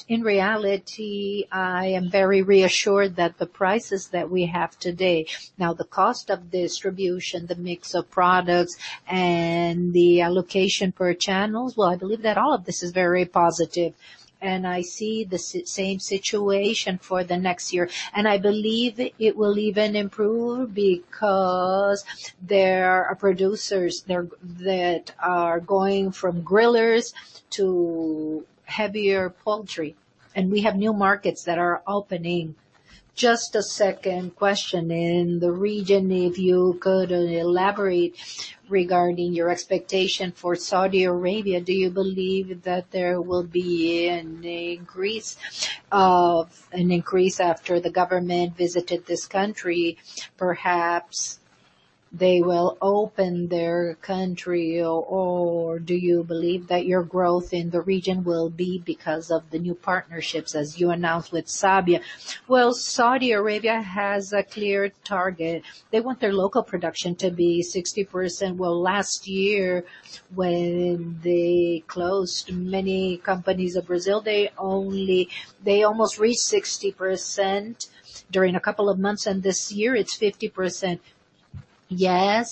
In reality, I am very reassured that the prices that we have today. The cost of distribution, the mix of products, and the allocation per channels, well, I believe that all of this is very positive. I see the same situation for the next year. I believe it will even improve because there are producers that are going from grillers to heavier poultry. We have new markets that are opening. Just a second question. In the region, if you could elaborate regarding your expectation for Saudi Arabia, do you believe that there will be an increase after the government visited this country? Perhaps they will open their country, or do you believe that your growth in the region will be because of the new partnerships as you announced with SAGIA? Well, Saudi Arabia has a clear target. They want their local production to be 60%. Well, last year when they closed many companies of Brazil, they almost reached 60% during a couple of months, and this year it's 50%. I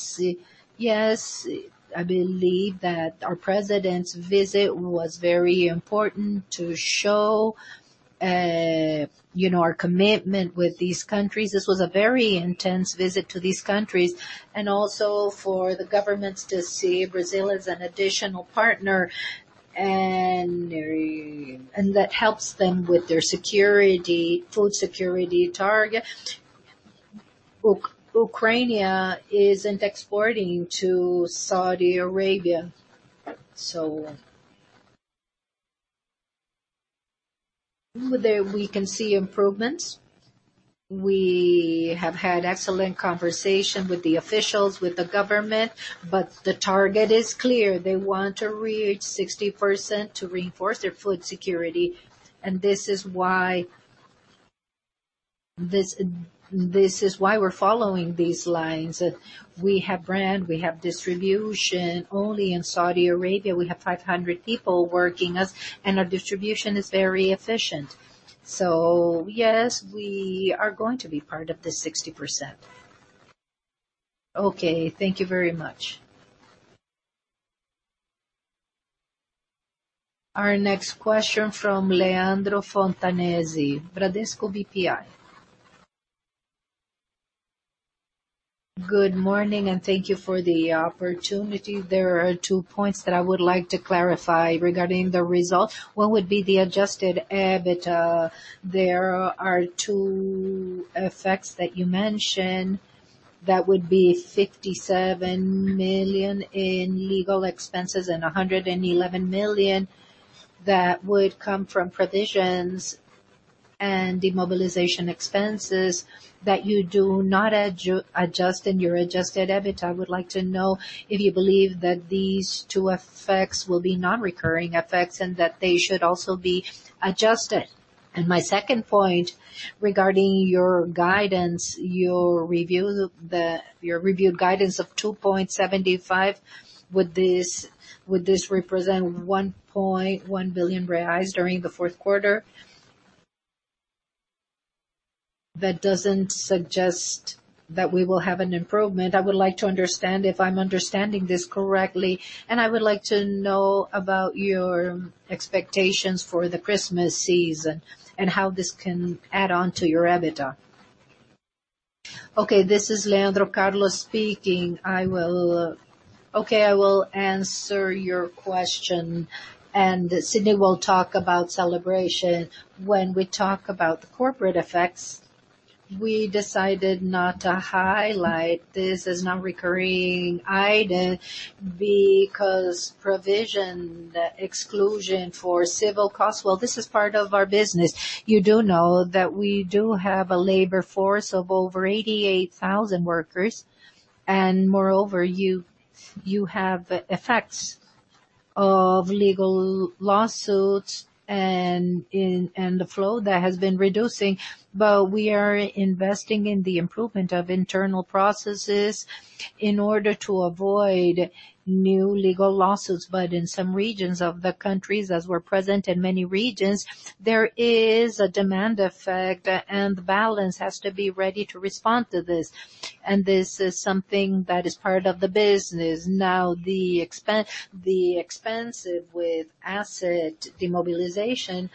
believe that our president's visit was very important to show our commitment with these countries. This was a very intense visit to these countries and also for the governments to see Brazil as an additional partner and that helps them with their food security target. Ukraine isn't exporting to Saudi Arabia, there we can see improvements. We have had excellent conversation with the officials, with the government, the target is clear. They want to reach 60% to reinforce their food security. This is why we're following these lines. We have brand, we have distribution. Only in Saudi Arabia we have 500 people working for us, and our distribution is very efficient. Yes, we are going to be part of the 60%. Okay, thank you very much. Our next question from Leandro Fontanesi, Bradesco BBI. Good morning, and thank you for the opportunity. There are two points that I would like to clarify regarding the result. What would be the Adjusted EBITDA? There are two effects that you mentioned that would be 57 million in legal expenses and 111 million that would come from provisions and demobilization expenses that you do not adjust in your Adjusted EBITDA. I would like to know if you believe that these two effects will be non-recurring effects and that they should also be adjusted. My second point regarding your guidance, your reviewed guidance of 2.75, would this represent 1.1 billion reais during the fourth quarter? That doesn't suggest that we will have an improvement. I would like to understand if I'm understanding this correctly, and I would like to know about your expectations for the Christmas season and how this can add on to your EBITDA. This is Leandro Carlos speaking. I will answer your question, and Sidney will talk about celebration. When we talk about the corporate effects, we decided not to highlight this as non-recurring item because provision exclusion for civil costs, well, this is part of our business. You do know that we do have a labor force of over 88,000 workers, and moreover, you have effects of legal lawsuits and the flow that has been reducing. We are investing in the improvement of internal processes in order to avoid new legal lawsuits. In some regions of the countries, as we're present in many regions, there is a demand effect and balance has to be ready to respond to this. This is something that is part of the business. Now, the expense with asset demobilization,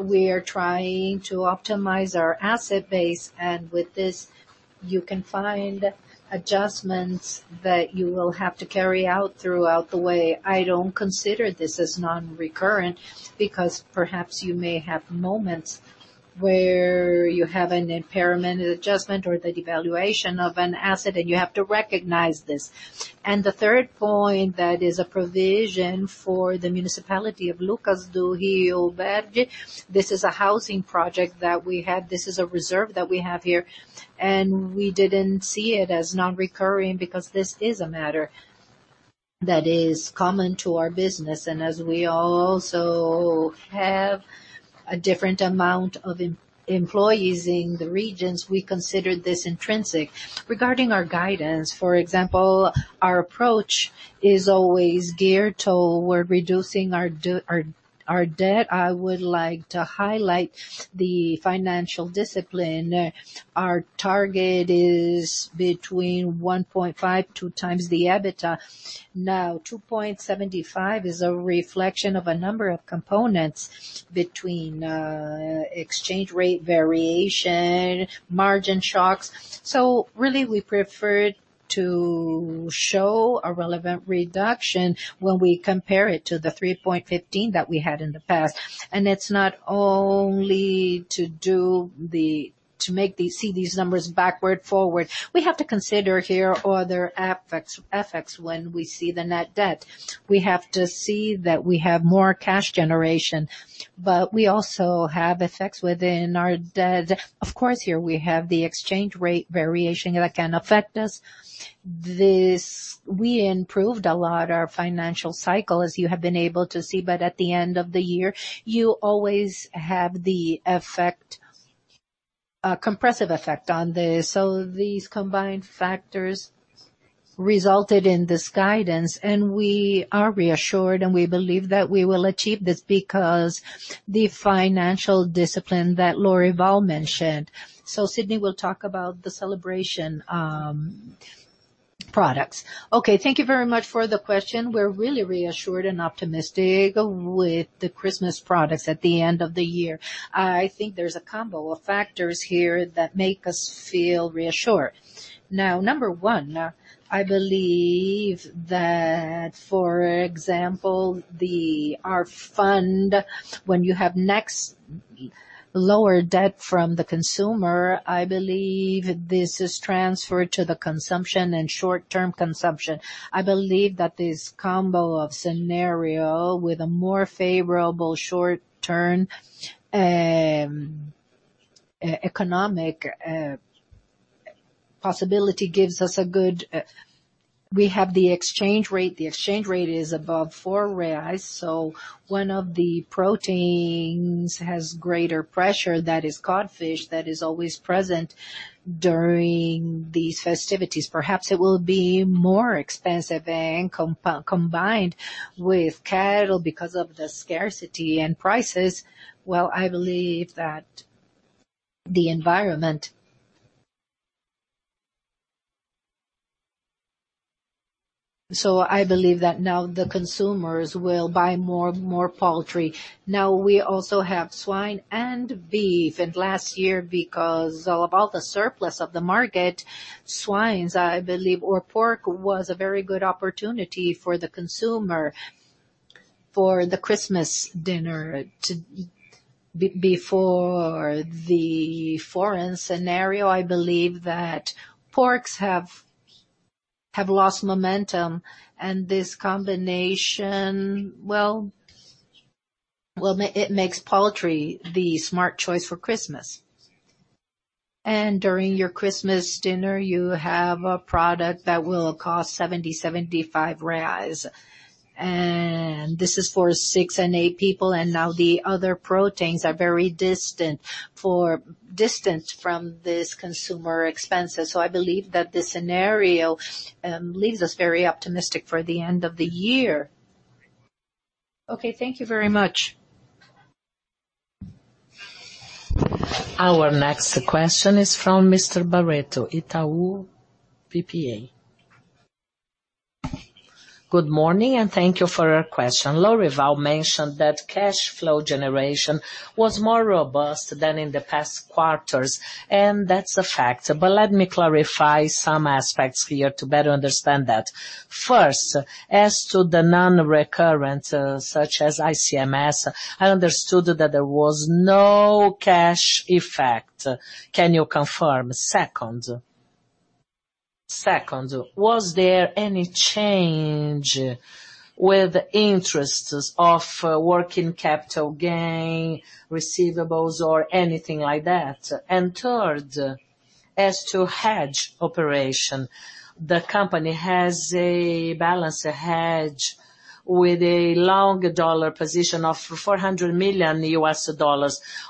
we are trying to optimize our asset base, and with this you can find adjustments that you will have to carry out throughout the way. I don't consider this as non-recurring because perhaps you may have moments where you have an impairment adjustment or the devaluation of an asset, and you have to recognize this. The third point, that is a provision for the municipality of Lucas do Rio Verde. This is a housing project that we have. This is a reserve that we have here, and we didn't see it as non-recurring because this is a matter that is common to our business. As we also have a different amount of employees in the regions, we consider this intrinsic. Regarding our guidance, for example, our approach is always geared toward reducing our debt. I would like to highlight the financial discipline. Our target is between 1.5 to 2 times the EBITDA. 2.75 is a reflection of a number of components between exchange rate variation, margin shocks. Really we prefer to show a relevant reduction when we compare it to the 3.15 that we had in the past. It's not only to make these CDs numbers backward forward. We have to consider here other effects when we see the net debt. We have to see that we have more cash generation. We also have effects within our debt. Of course, here we have the exchange rate variation that can affect us. We improved a lot our financial cycle, as you have been able to see, at the end of the year, you always have the compressive effect on this. These combined factors resulted in this guidance, we are reassured, and we believe that we will achieve this because the financial discipline that Lorival mentioned. Sidney will talk about the celebration products. Okay, thank you very much for the question. We're really reassured and optimistic with the Christmas products at the end of the year. I think there's a combo of factors here that make us feel reassured. Number 1, I believe that, for example, our fund, when you have next lower debt from the consumer, I believe this is transferred to the consumption and short-term consumption. I believe that this combo of scenario with a more favorable short-term economic possibility gives us. We have the exchange rate. The exchange rate is above 4 reais, so one of the proteins has greater pressure, that is cod fish, that is always present during these festivities. Perhaps it will be more expensive and combined with cattle because of the scarcity and prices. Well, I believe that the environment. I believe that now the consumers will buy more poultry. Now we also have swine and beef, and last year, because of all the surplus of the market, swine, I believe, or pork, was a very good opportunity for the consumer for the Christmas dinner. Before the foreign scenario, I believe that porks have lost momentum and this combination, well, it makes poultry the smart choice for Christmas. During your Christmas dinner, you have a product that will cost 70 reais, 75 reais, and this is for six and eight people, and now the other proteins are very distant from this consumer expenses. I believe that the scenario leaves us very optimistic for the end of the year. Okay, thank you very much. Our next question is from Mr. Barreto, Itaú BBA. Good morning, thank you for your question. Lorival mentioned that cash flow generation was more robust than in the past quarters, and that's a fact. Let me clarify some aspects here to better understand that. First, as to the non-recurrent, such as ICMS, I understood that there was no cash effect. Can you confirm? Second, was there any change with interests of working capital gain, receivables, or anything like that? Third, as to hedge operation, the company has a balance hedge with a long dollar position of $400 million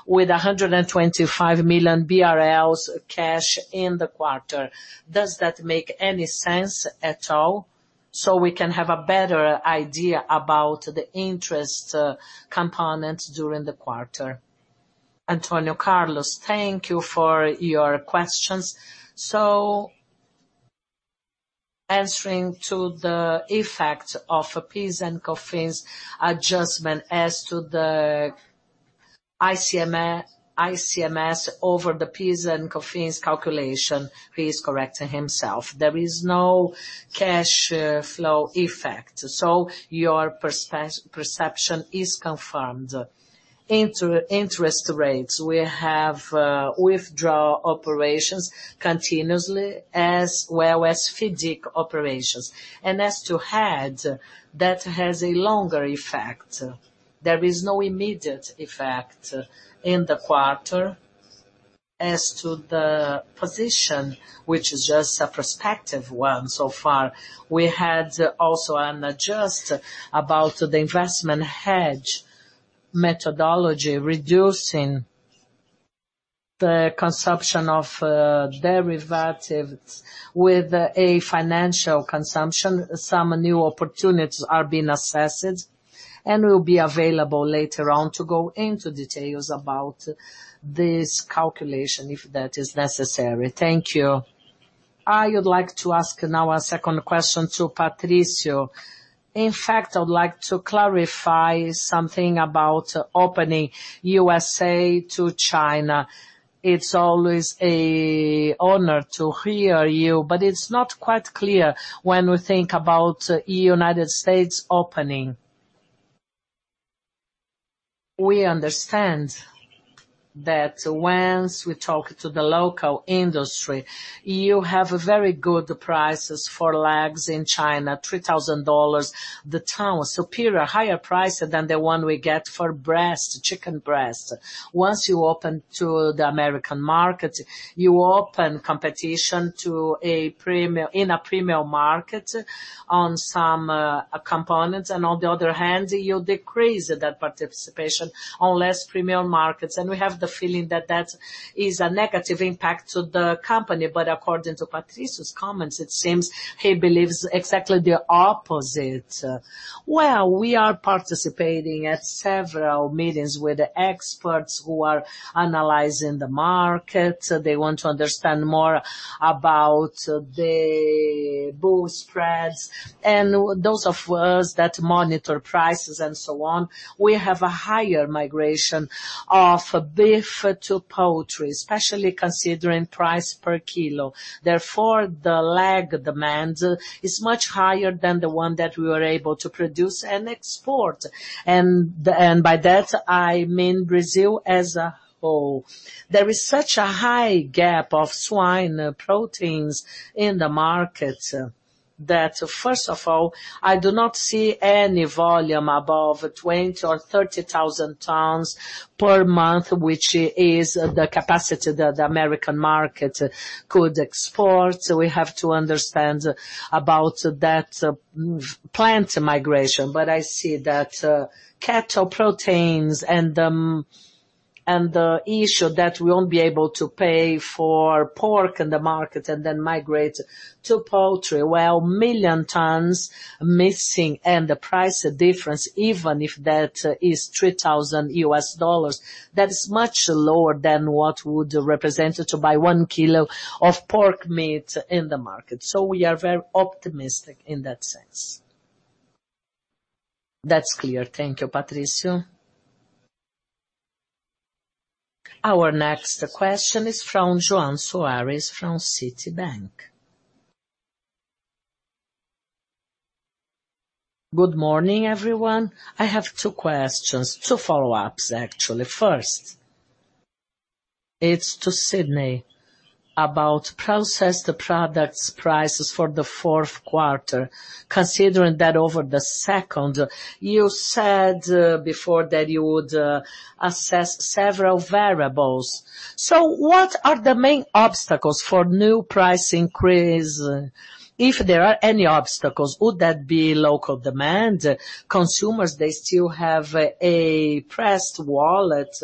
with 125 million BRL cash in the quarter. Does that make any sense at all so we can have a better idea about the interest components during the quarter? Antonio Carlos, thank you for your questions. Answering to the effect of PIS and COFINS adjustment as to the ICMS over the PIS and COFINS calculation, he is correct himself. There is no cash flow effect. Your perception is confirmed. Interest rates, we have withdraw operations continuously as well as FIDC operations. As to hedge, that has a longer effect. There is no immediate effect in the quarter as to the position, which is just a prospective one so far. We had also an adjust about the investment hedge methodology, reducing the consumption of derivatives with a financial consumption. Some new opportunities are being assessed and will be available later on to go into details about this calculation, if that is necessary. Thank you. I would like to ask now a second question to Patricio. In fact, I would like to clarify something about opening USA to China. It's always an honor to hear you. It's not quite clear when we think about U.S. opening. We understand that once we talk to the local industry, you have very good prices for legs in China, BRL 3,000. The price, superior, higher price than the one we get for chicken breast. Once you open to the U.S. market, you open competition in a premium market on some components and on the other hand, you decrease that participation on less premium markets. We have the feeling that is a negative impact to the company. According to Patricio's comments, it seems he believes exactly the opposite. Well, we are participating at several meetings with experts who are analyzing the market. They want to understand more about the bull spreads and those of us that monitor prices and so on. We have a higher migration of beef to poultry, especially considering price per kilo. Therefore, the leg demand is much higher than the one that we were able to produce and export. By that, I mean Brazil as a whole. There is such a high gap of swine proteins in the market that, first of all, I do not see any volume above 20,000 or 30,000 tons per month, which is the capacity that the American market could export. We have to understand about that plant migration. I see that cattle proteins and the issue that we won't be able to pay for pork in the market and then migrate to poultry, well, million tons missing and the price difference, even if that is $3,000, that is much lower than what would represent to buy one kilo of pork meat in the market. We are very optimistic in that sense. That's clear. Thank you, Patricio. Our next question is from Joao Soares from Citi. Good morning, everyone. I have two questions, two follow-ups, actually. First, it's to Sidney about processed products prices for the fourth quarter. Considering that over the second, you said before that you would assess several variables. What are the main obstacles for new price increase? If there are any obstacles, would that be local demand? Consumers, they still have a pressed wallet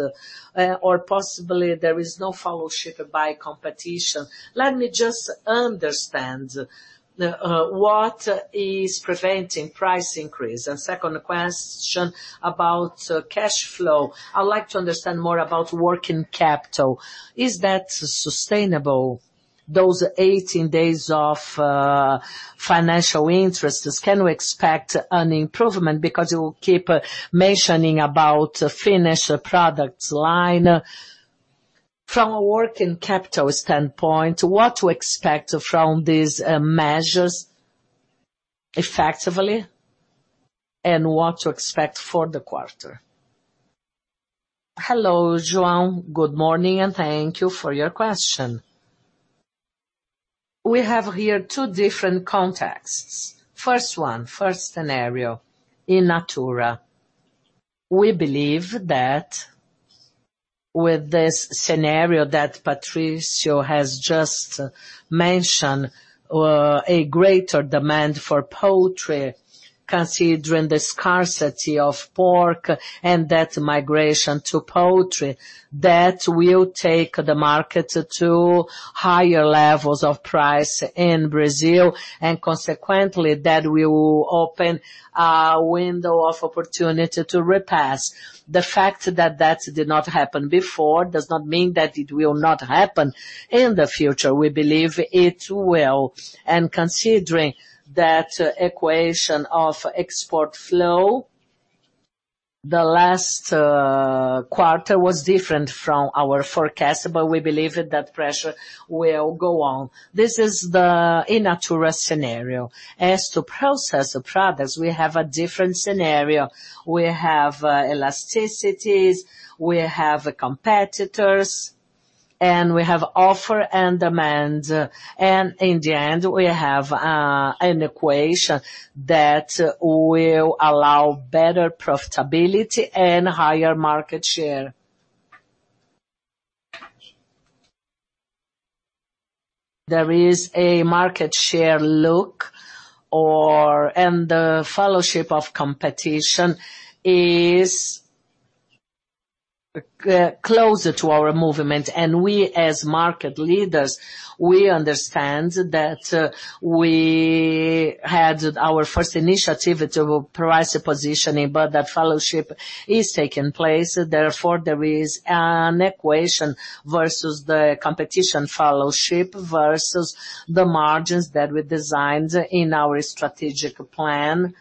or possibly there is no followership by competition. Let me just understand what is preventing price increase. Second question about cash flow. I'd like to understand more about working capital. Is that sustainable, those 18 days of financial interests? Can we expect an improvement? Because you keep mentioning about finished products line. From a working capital standpoint, what to expect from these measures effectively and what to expect for the quarter? Hello, João. Good morning, and thank you for your question. We have here two different contexts. First one, first scenario, in natura. We believe that with this scenario that Patricio has just mentioned, a greater demand for poultry considering the scarcity of pork and that migration to poultry, that will take the market to higher levels of price in Brazil, and consequently, that will open a window of opportunity to repass. The fact that did not happen before does not mean that it will not happen in the future. We believe it will. Considering that equation of export flow, the last quarter was different from our forecast, but we believe that pressure will go on. This is the in natura scenario. As to processed products, we have a different scenario. We have elasticities, we have competitors, and we have offer and demand, and in the end, we have an equation that will allow better profitability and higher market share. There is a market share look and the followership of competition is closer to our movement. We, as market leaders, we understand that we had our first initiative to price positioning, but that followership is taking place. Therefore, there is an equation versus the competition followership versus the margins that we designed in our strategic plan.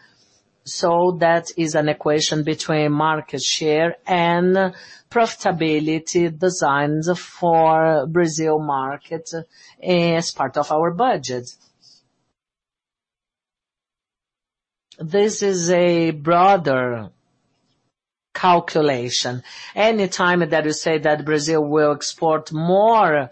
That is an equation between market share and profitability designed for Brazil market as part of our budget. This is a broader calculation. Any time that we say that Brazil will export more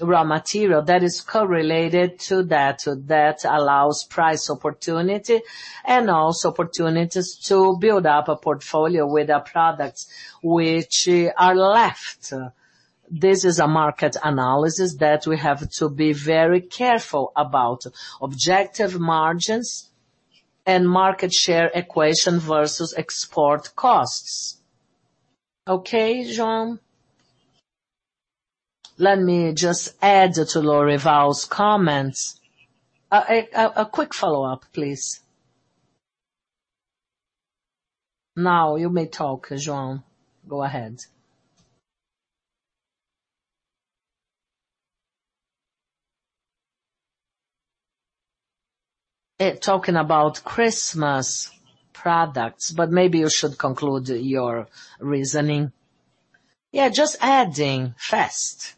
raw material, that is correlated to that allows price opportunity and also opportunities to build up a portfolio with the products which are left. This is a market analysis that we have to be very careful about. Objective margins and market share equation versus export costs. Okay, Joao? Let me just add to Lorival's comments. A quick follow-up, please. You may talk, Joao. Go ahead. Talking about Christmas products, but maybe you should conclude your reasoning. Yeah, just adding fast.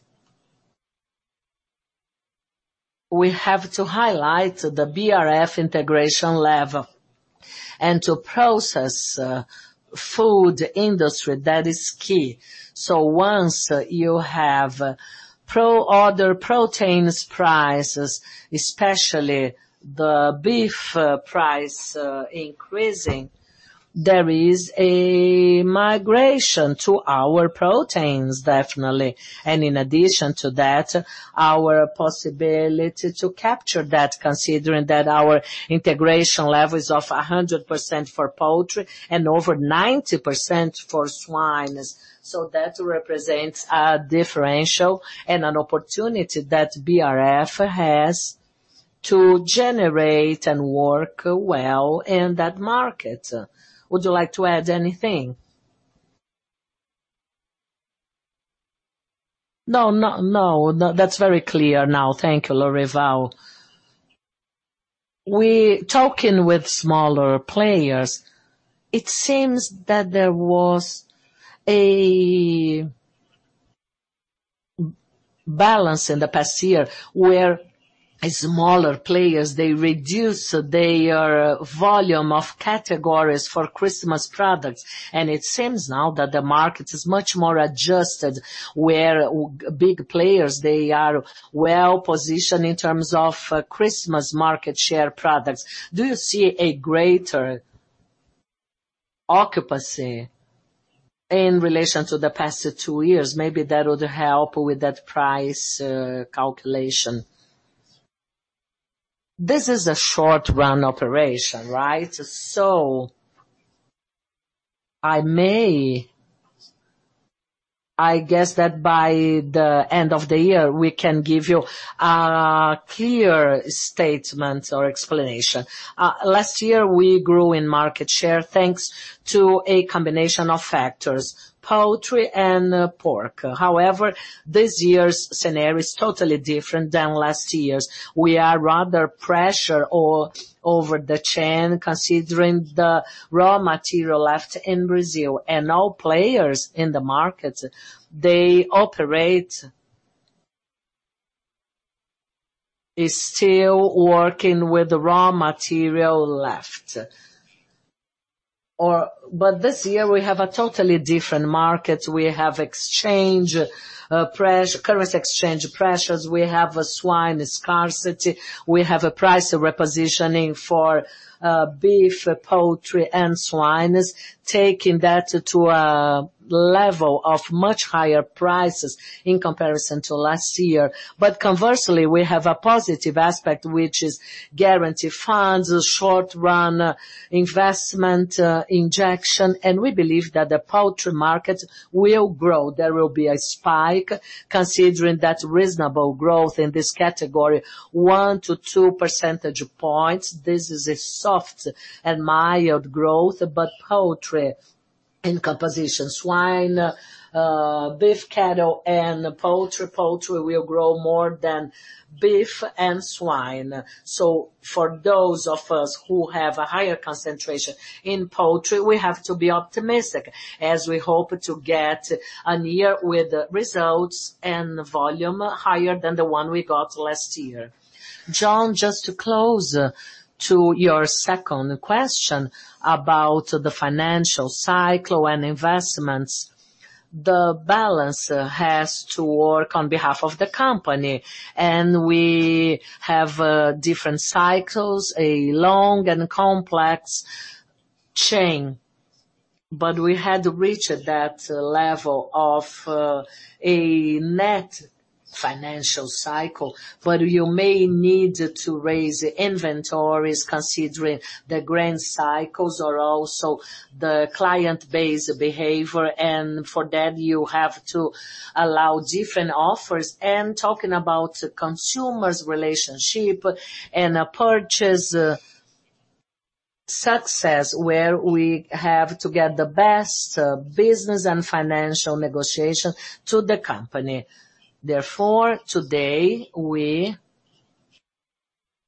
We have to highlight the BRF integration level and processed food industry, that is key. Once you have other proteins prices, especially the beef price increasing, there is a migration to our proteins, definitely. In addition to that, our possibility to capture that, considering that our integration level is of 100% for poultry and over 90% for swine. That represents a differential and an opportunity that BRF has to generate and work well in that market. Would you like to add anything? No, that's very clear now. Thank you, Lorival. Talking with smaller players, it seems that there was a balance in the past year where smaller players, they reduced their volume of categories for Christmas products, and it seems now that the market is much more adjusted, where big players, they are well-positioned in terms of Christmas market share products. Do you see a greater occupancy in relation to the past two years? Maybe that would help with that price calculation. This is a short-run operation, right? I guess that by the end of the year, we can give you a clear statement or explanation. Last year, we grew in market share thanks to a combination of factors, poultry and pork. However, this year's scenario is totally different than last year's. We are rather pressure over the chain considering the raw material left in Brazil and all players in the market, their operate is still working with the raw material left. This year we have a totally different market. We have currency exchange pressures. We have a swine scarcity. We have a price repositioning for beef, poultry, and swine, taking that to a level of much higher prices in comparison to last year. Conversely, we have a positive aspect, which is guaranteed funds, short-run investment injection, and we believe that the poultry market will grow. There will be a spike considering that reasonable growth in this category, one to two percentage points. This is a soft and mild growth, poultry in composition. Swine, beef cattle, and poultry. Poultry will grow more than beef and swine. For those of us who have a higher concentration in poultry, we have to be optimistic as we hope to get a year with results and volume higher than the one we got last year. Joao, just to close to your second question about the financial cycle and investments, the balance has to work on behalf of the company and we have different cycles, a long and complex chain, but we had reached that level of a net financial cycle. You may need to raise inventories considering the grand cycles or also the client base behavior, for that you have to allow different offers and talking about consumers' relationship and purchase success, where we have to get the best business and financial negotiation to the company. Therefore, today we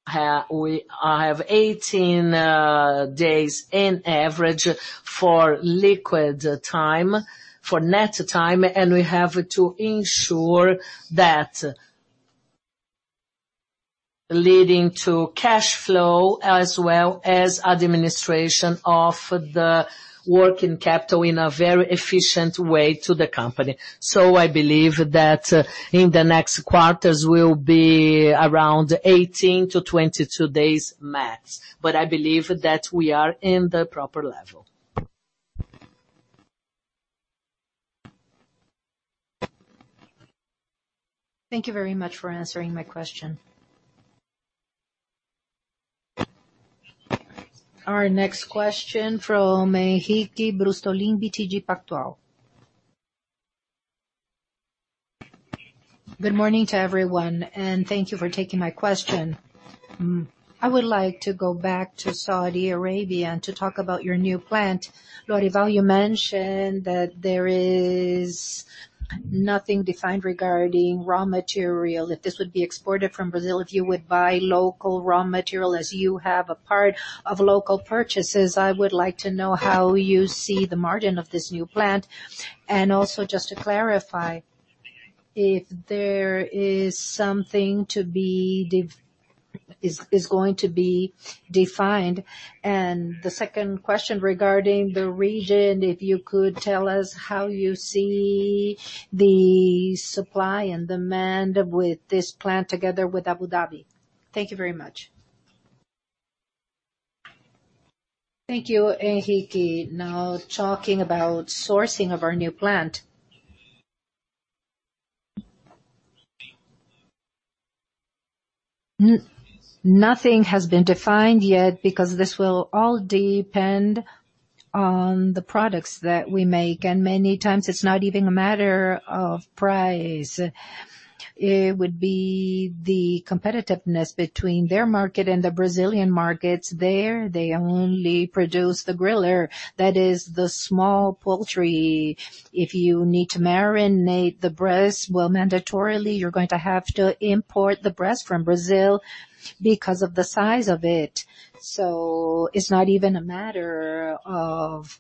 have 18 days in average for liquid time, for net time, and we have to ensure that. Leading to cash flow as well as administration of the working capital in a very efficient way to the company. I believe that in the next quarters will be around 18 to 22 days max. I believe that we are in the proper level. Thank you very much for answering my question. Our next question from Henrique Brustolin, BTG Pactual. Good morning to everyone, and thank you for taking my question. I would like to go back to Saudi Arabia and to talk about your new plant. Lorival, you mentioned that there is nothing defined regarding raw material, if this would be exported from Brazil, if you would buy local raw material as you have a part of local purchases. I would like to know how you see the margin of this new plant. Also just to clarify if there is something is going to be defined. The second question regarding the region, if you could tell us how you see the supply and demand with this plant together with Abu Dhabi. Thank you very much. Thank you, Henrique. Talking about sourcing of our new plant. Nothing has been defined yet because this will all depend on the products that we make, and many times it's not even a matter of price. It would be the competitiveness between their market and the Brazilian markets there. They only produce the griller, that is the small poultry. If you need to marinate the breast, well, mandatorily, you're going to have to import the breast from Brazil because of the size of it. It's not even a matter of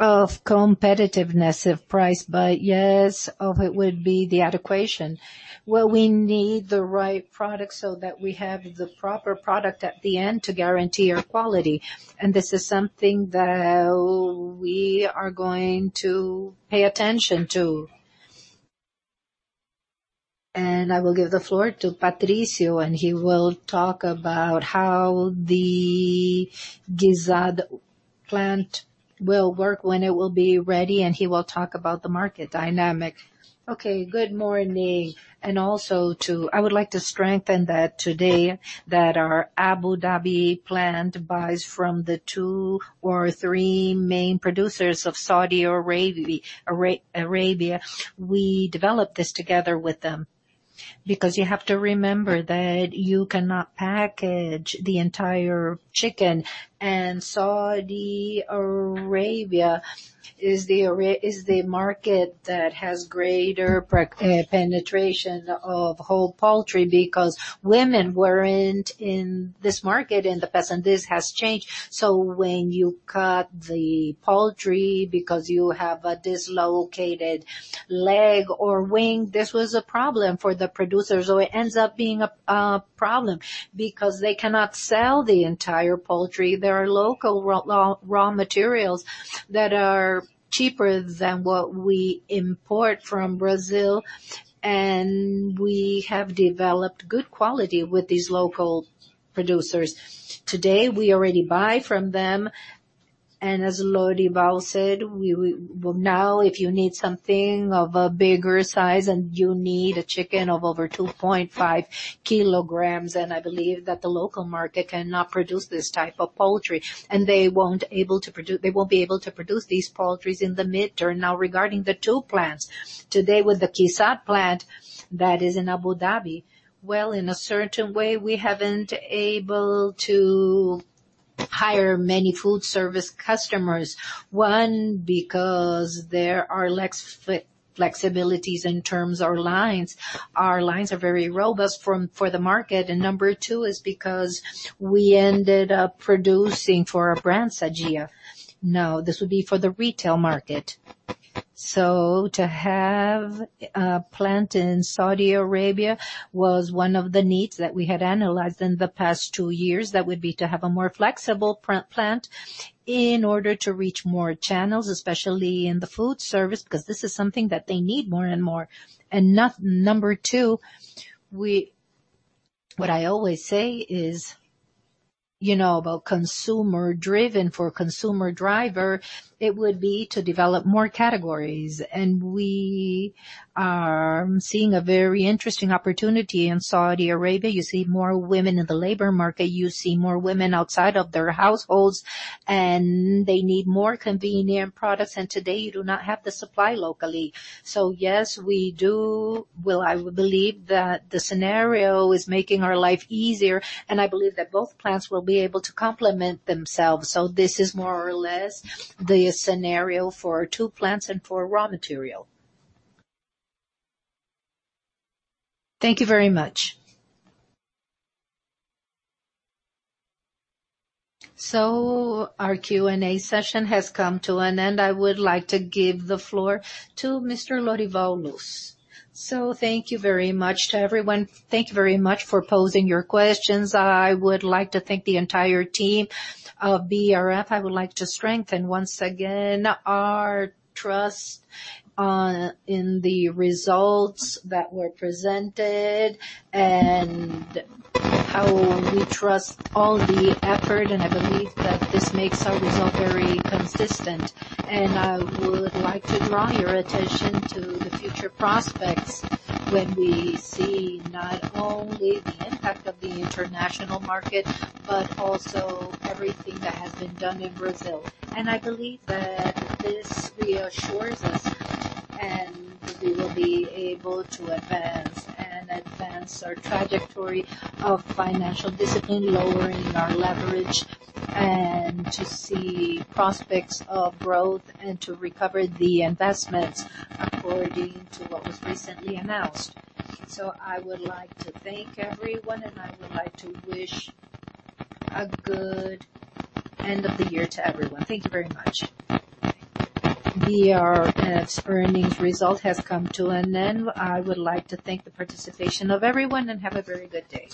competitiveness of price. Yes, it would be the adequation. Well, we need the right product so that we have the proper product at the end to guarantee our quality. This is something that we are going to pay attention to. I will give the floor to Patricio, and he will talk about how the KIZAD plant will work when it will be ready, and he will talk about the market dynamic. Okay, good morning. Also too, I would like to strengthen that today that our Abu Dhabi plant buys from the two or three main producers of Saudi Arabia. We developed this together with them. You have to remember that you cannot package the entire chicken, and Saudi Arabia is the market that has greater penetration of whole poultry because women weren't in this market in the past, and this has changed. When you cut the poultry because you have a dislocated leg or wing, this was a problem for the producer. It ends up being a problem because they cannot sell the entire poultry. There are local raw materials that are cheaper than what we import from Brazil, and we have developed good quality with these local producers. Today, we already buy from them, and as Lorival said, now if you need something of a bigger size and you need a chicken of over 2.5 kilograms, and I believe that the local market cannot produce this type of poultry, and they won't be able to produce these poultries in the midterm. Now, regarding the two plants. Today with the KIZAD plant that is in Abu Dhabi, well, in a certain way, we haven't able to hire many food service customers. One, because there are less flexibilities in terms or lines. Our lines are very robust for the market. Number 2 is because we ended up producing for our brand, Sadia. Now, this would be for the retail market. To have a plant in Saudi Arabia was one of the needs that we had analyzed in the past two years. That would be to have a more flexible plant in order to reach more channels, especially in the food service, because this is something that they need more and more. Number 2, what I always say is, about consumer-driven for consumer driver, it would be to develop more categories. We are seeing a very interesting opportunity in Saudi Arabia. You see more women in the labor market, you see more women outside of their households, they need more convenient products, today you do not have the supply locally. Yes, we do. Well, I believe that the scenario is making our life easier, I believe that both plants will be able to complement themselves. This is more or less the scenario for two plants and for raw material. Thank you very much. Our Q&A session has come to an end. I would like to give the floor to Mr. Lorival Luz. Thank you very much to everyone. Thank you very much for posing your questions. I would like to thank the entire team of BRF. I would like to strengthen, once again, our trust in the results that were presented and how we trust all the effort, and I believe that this makes our result very consistent. I would like to draw your attention to the future prospects when we see not only the impact of the international market, but also everything that has been done in Brazil. I believe that this reassures us, and we will be able to advance and advance our trajectory of financial discipline, lowering our leverage, and to see prospects of growth and to recover the investments according to what was recently announced. I would like to thank everyone, and I would like to wish a good end of the year to everyone. Thank you very much. BRF's earnings result has come to an end. I would like to thank the participation of everyone, and have a very good day.